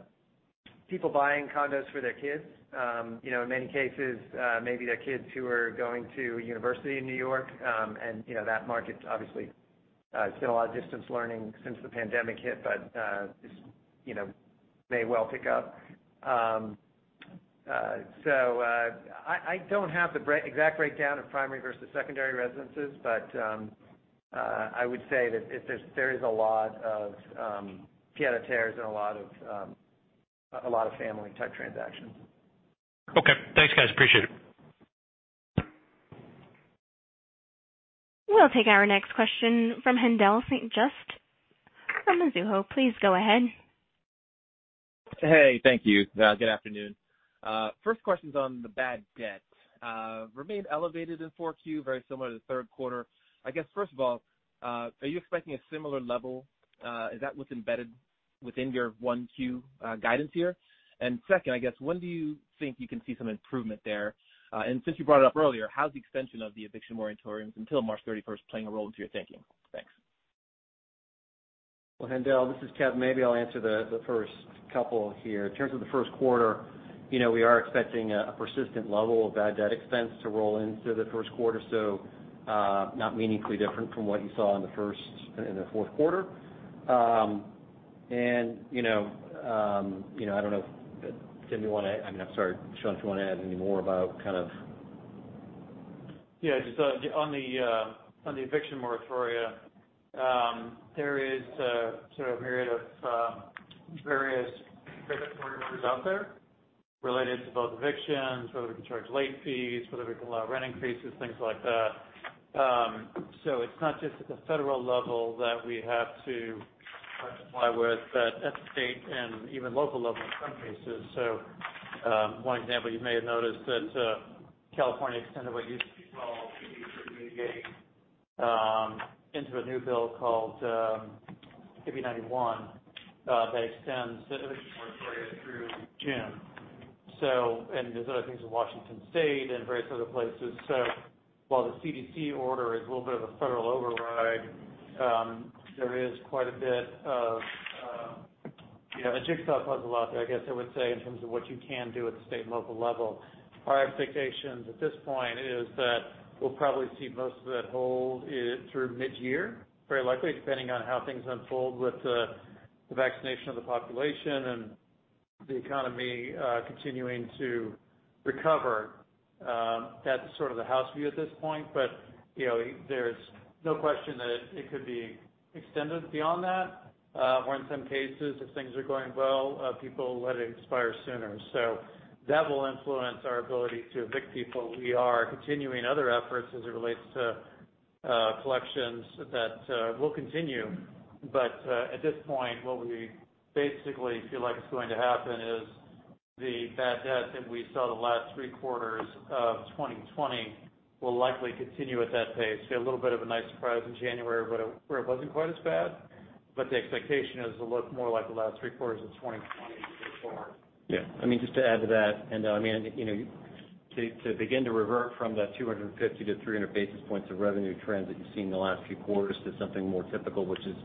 people buying condos for their kids. In many cases, maybe their kids who are going to a university in New York, and that market obviously has seen a lot of distance learning since the pandemic hit, but this may well pick up. I don't have the exact breakdown of primary versus secondary residences, but I would say that there is a lot of pied-à-terres and a lot of family-type transactions. Okay. Thanks, guys. Appreciate it. We'll take our next question from Haendel St. Juste from Mizuho. Please go ahead. Hey, thank you. Good afternoon. First question's on the bad debt. Remained elevated in 4Q, very similar to the third quarter. I guess, first of all, are you expecting a similar level? Is that what's embedded within your 1Q guidance here? Second, I guess, when do you think you can see some improvement there? Since you brought it up earlier, how is the extension of the eviction moratoriums until March 31st playing a role into your thinking? Thanks. Well, Haendel, this is Kevin. Maybe I'll answer the first couple here. In terms of the first quarter, we are expecting a persistent level of bad debt expense to roll into the first quarter, so not meaningfully different from what you saw in the fourth quarter. I don't know, Sean, if you want to add any more about kind of Yeah. Just on the eviction moratoria, there is sort of a myriad of various moratoria orders out there related to both evictions, whether we can charge late fees, whether we can allow rent increases, things like that. It's not just at the federal level that we have to try to comply with, but at the state and even local level in some cases. One example you may have noticed that California extended what used to be called CDC moratorium into a new bill called SB91 that extends the eviction moratoria through June. There's other things in Washington State and various other places. While the CDC order is a little bit of a federal override, there is quite a bit of a jigsaw puzzle out there, I guess I would say, in terms of what you can do at the state and local level. Our expectations at this point is that we'll probably see most of that hold through mid-year, very likely, depending on how things unfold with the vaccination of the population and the economy continuing to recover. That's sort of the house view at this point, but there's no question that it could be extended beyond that, or in some cases, if things are going well, people let it expire sooner. That will influence our ability to evict people. We are continuing other efforts as it relates to collections that will continue. At this point, what we basically feel like is going to happen is the bad debt that we saw the last three quarters of 2020 will likely continue at that pace. See a little bit of a nice surprise in January where it wasn't quite as bad, but the expectation is it'll look more like the last three quarters of 2020 going forward. Yeah. Just to add to that, Haendel, to begin to revert from that 250-300 basis points of revenue trends that you've seen in the last few quarters to something more typical, which is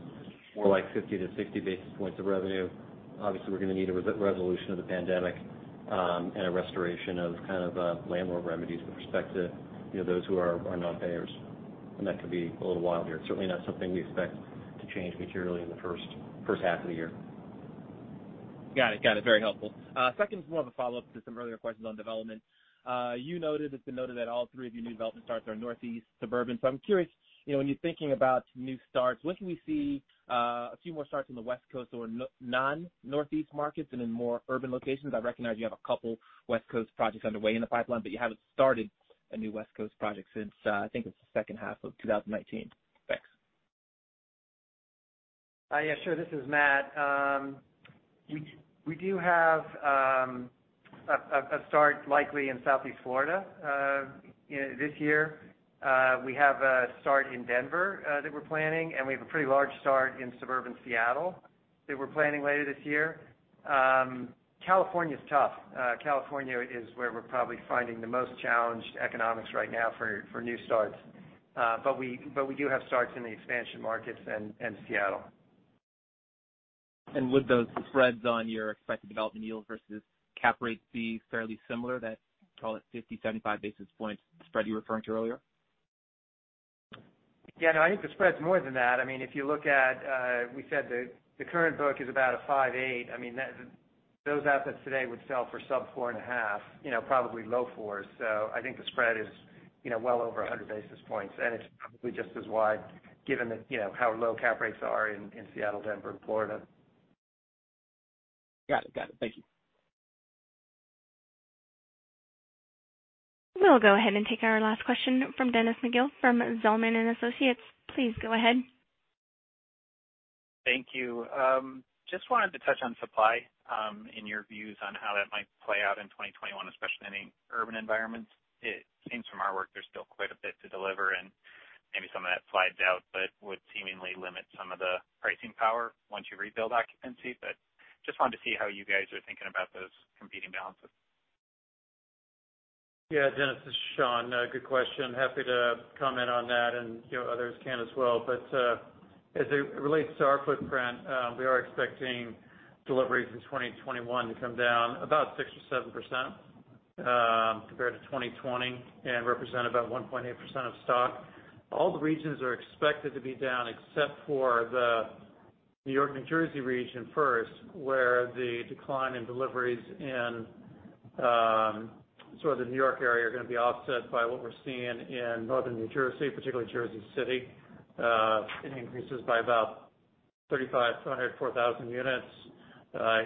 more like 50-60 basis points of revenue, obviously, we're going to need a resolution of the pandemic and a restoration of kind of landlord remedies with respect to those who are non-payers. That could be a little while here. It's certainly not something we expect to change materially in the first half of the year. Got it. Very helpful. Second is more of a follow-up to some earlier questions on development. You noted, it's been noted that all three of your new development starts are Northeast suburban. I'm curious, when you're thinking about new starts, when can we see a few more starts on the West Coast or non-Northeast markets and in more urban locations? I recognize you have a couple West Coast projects underway in the pipeline, but you haven't started a new West Coast project since, I think it's the second half of 2019. Thanks. Yeah, sure. This is Matt. We do have a start likely in Southeast Florida this year. We have a start in Denver that we're planning, and we have a pretty large start in suburban Seattle that we're planning later this year. California's tough. California is where we're probably finding the most challenged economics right now for new starts. We do have starts in the expansion markets and Seattle. Would those spreads on your expected development yields versus cap rates be fairly similar, that, call it 50, 75 basis points spread you were referring to earlier? Yeah, no, I think the spread's more than that. We said the current book is about a 5, 8. Those assets today would sell for sub 4.5, probably low 4s. I think the spread is well over 100 basis points, and it's probably just as wide given how low cap rates are in Seattle, Denver, and Florida. Got it. Thank you. We'll go ahead and take our last question from Dennis McGill from Zelman & Associates. Please go ahead. Thank you. Just wanted to touch on supply, and your views on how that might play out in 2021, especially in any urban environments. It seems from our work there's still quite a bit to deliver, and maybe some of that slides out, but would seemingly limit some of the pricing power once you rebuild occupancy. Just wanted to see how you guys are thinking about those competing balances. Dennis, this is Sean. Good question. Happy to comment on that, others can as well. As it relates to our footprint, we are expecting deliveries in 2021 to come down about 6% or 7% compared to 2020 and represent about 1.8% of stock. All the regions are expected to be down except for the N.Y., N.J. region first, where the decline in deliveries in sort of the New York area are going to be offset by what we're seeing in northern N.J., particularly Jersey City. It increases by about 3,500-4,000 units.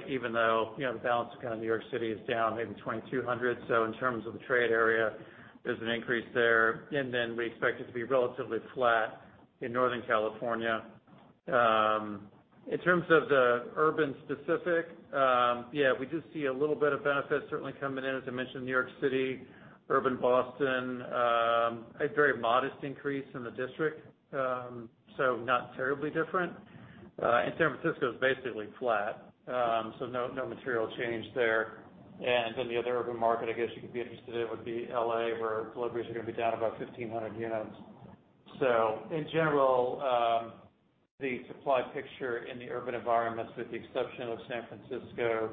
Even though the balance of kind of New York City is down maybe 2,200. In terms of the trade area, there's an increase there. We expect it to be relatively flat in Northern California. In terms of the urban specific, yeah, we do see a little bit of benefit certainly coming in, as I mentioned, New York City, urban Boston, a very modest increase in the District, so not terribly different. San Francisco's basically flat, so no material change there. The other urban market I guess you could be interested in would be L.A., where deliveries are going to be down about 1,500 units. In general, the supply picture in the urban environments, with the exception of San Francisco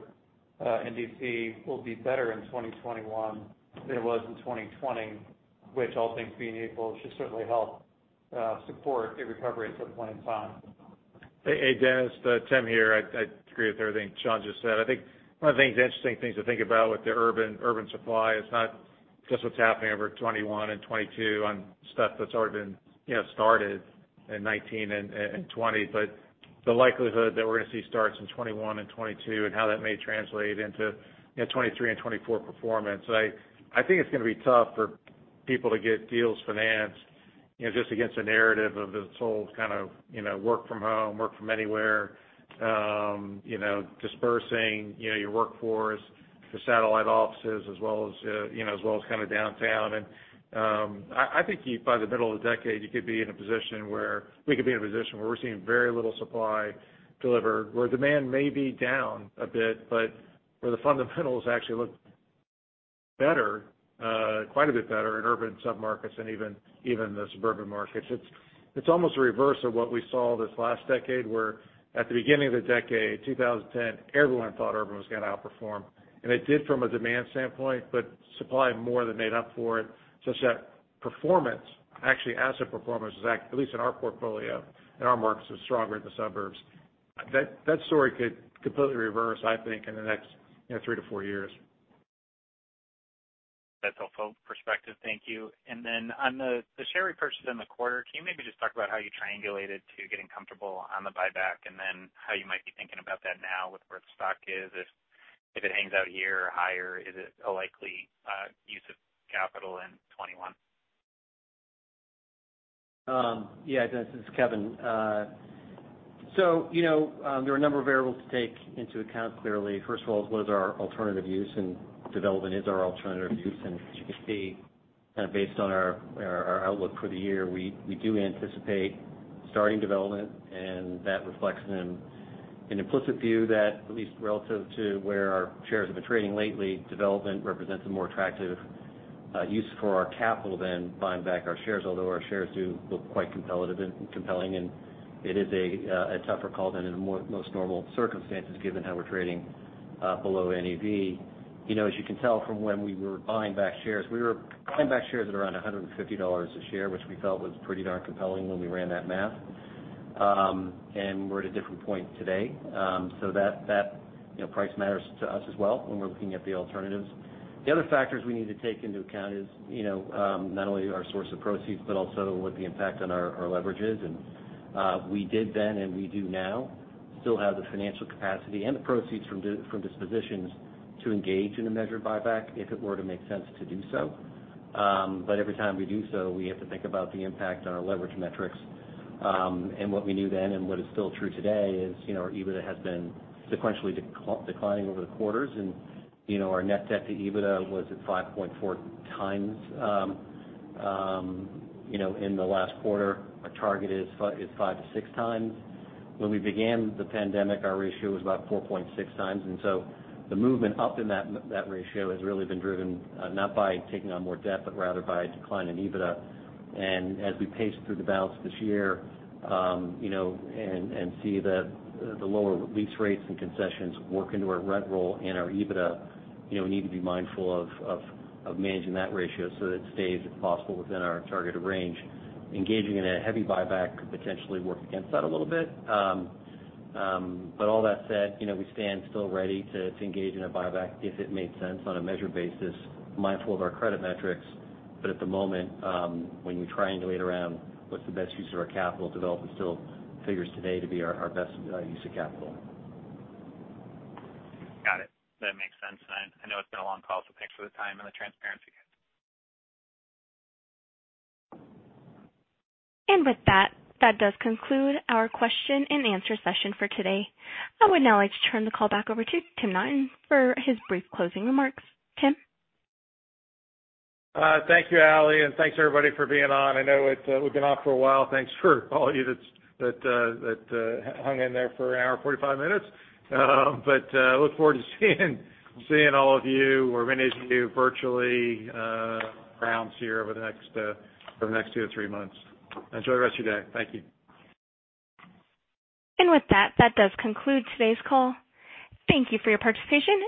and D.C., will be better in 2021 than it was in 2020, which all things being equal, should certainly help support a recovery at some point in time. Hey, Dennis, Tim here. I agree with everything Sean just said. I think one of the interesting things to think about with the urban supply is not just what's happening over 2021 and 2022 on stuff that's already been started in 2019 and 2020, but the likelihood that we're going to see starts in 2021 and 2022 and how that may translate into 2023 and 2024 performance. I think it's going to be tough for people to get deals financed just against the narrative of this whole kind of work from home, work from anywhere, dispersing your workforce to satellite offices as well as kind of downtown. I think by the middle of the decade, we could be in a position where we're seeing very little supply delivered, where demand may be down a bit, but where the fundamentals actually look better, quite a bit better in urban submarkets and even the suburban markets. It's almost a reverse of what we saw this last decade, where at the beginning of the decade, 2010, everyone thought urban was going to outperform. It did from a demand standpoint, but supply more than made up for it, such that performance actually, asset performance, at least in our portfolio, in our markets, was stronger in the suburbs. That story could completely reverse, I think, in the next 3-4 years. That's helpful perspective. Thank you. On the share repurchase in the quarter, can you maybe just talk about how you triangulated to getting comfortable on the buyback and then how you might be thinking about that now with where the stock is? If it hangs out here or higher, is it a likely use of capital in 2021? Yeah, Dennis, this is Kevin. There are a number of variables to take into account, clearly. First of all, what is our alternative use? Development is our alternative use. As you can see, kind of based on our outlook for the year, we do anticipate starting development, and that reflects an implicit view that, at least relative to where our shares have been trading lately, development represents a more attractive use for our capital than buying back our shares, although our shares do look quite compelling, and it is a tougher call than in most normal circumstances, given how we're trading below NAV. As you can tell from when we were buying back shares, we were buying back shares at around $150 a share, which we felt was pretty darn compelling when we ran that math. We're at a different point today. That price matters to us as well when we're looking at the alternatives. The other factors we need to take into account is not only our source of proceeds, but also what the impact on our leverage is. We did then, and we do now still have the financial capacity and the proceeds from dispositions to engage in a measured buyback if it were to make sense to do so. Every time we do so, we have to think about the impact on our leverage metrics. What we knew then and what is still true today is our EBITDA has been sequentially declining over the quarters, and our net debt to EBITDA was at 5.4 times in the last quarter. Our target is 5-6 times. When we began the pandemic, our ratio was about 4.6 times. The movement up in that ratio has really been driven not by taking on more debt, but rather by a decline in EBITDA. As we pace through the balance of this year and see the lower lease rates and concessions work into our rent roll and our EBITDA, we need to be mindful of managing that ratio so that it stays, if possible, within our targeted range. Engaging in a heavy buyback could potentially work against that a little bit. All that said, we stand still ready to engage in a buyback if it made sense on a measured basis, mindful of our credit metrics. At the moment, when you triangulate around what's the best use of our capital, development still figures today to be our best use of capital. Got it. That makes sense. I know it's been a long call, so thanks for the time and the transparency. With that does conclude our question and answer session for today. I would now like to turn the call back over to Tim Naughton for his brief closing remarks. Tim? Thank you, Ally, and thanks, everybody, for being on. I know we've been on for a while. Thanks for all of you that hung in there for an hour and 45 minutes. Look forward to seeing all of you or many of you virtually rounds here over the next two to three months. Enjoy the rest of your day. Thank you. With that does conclude today's call. Thank you for your participation.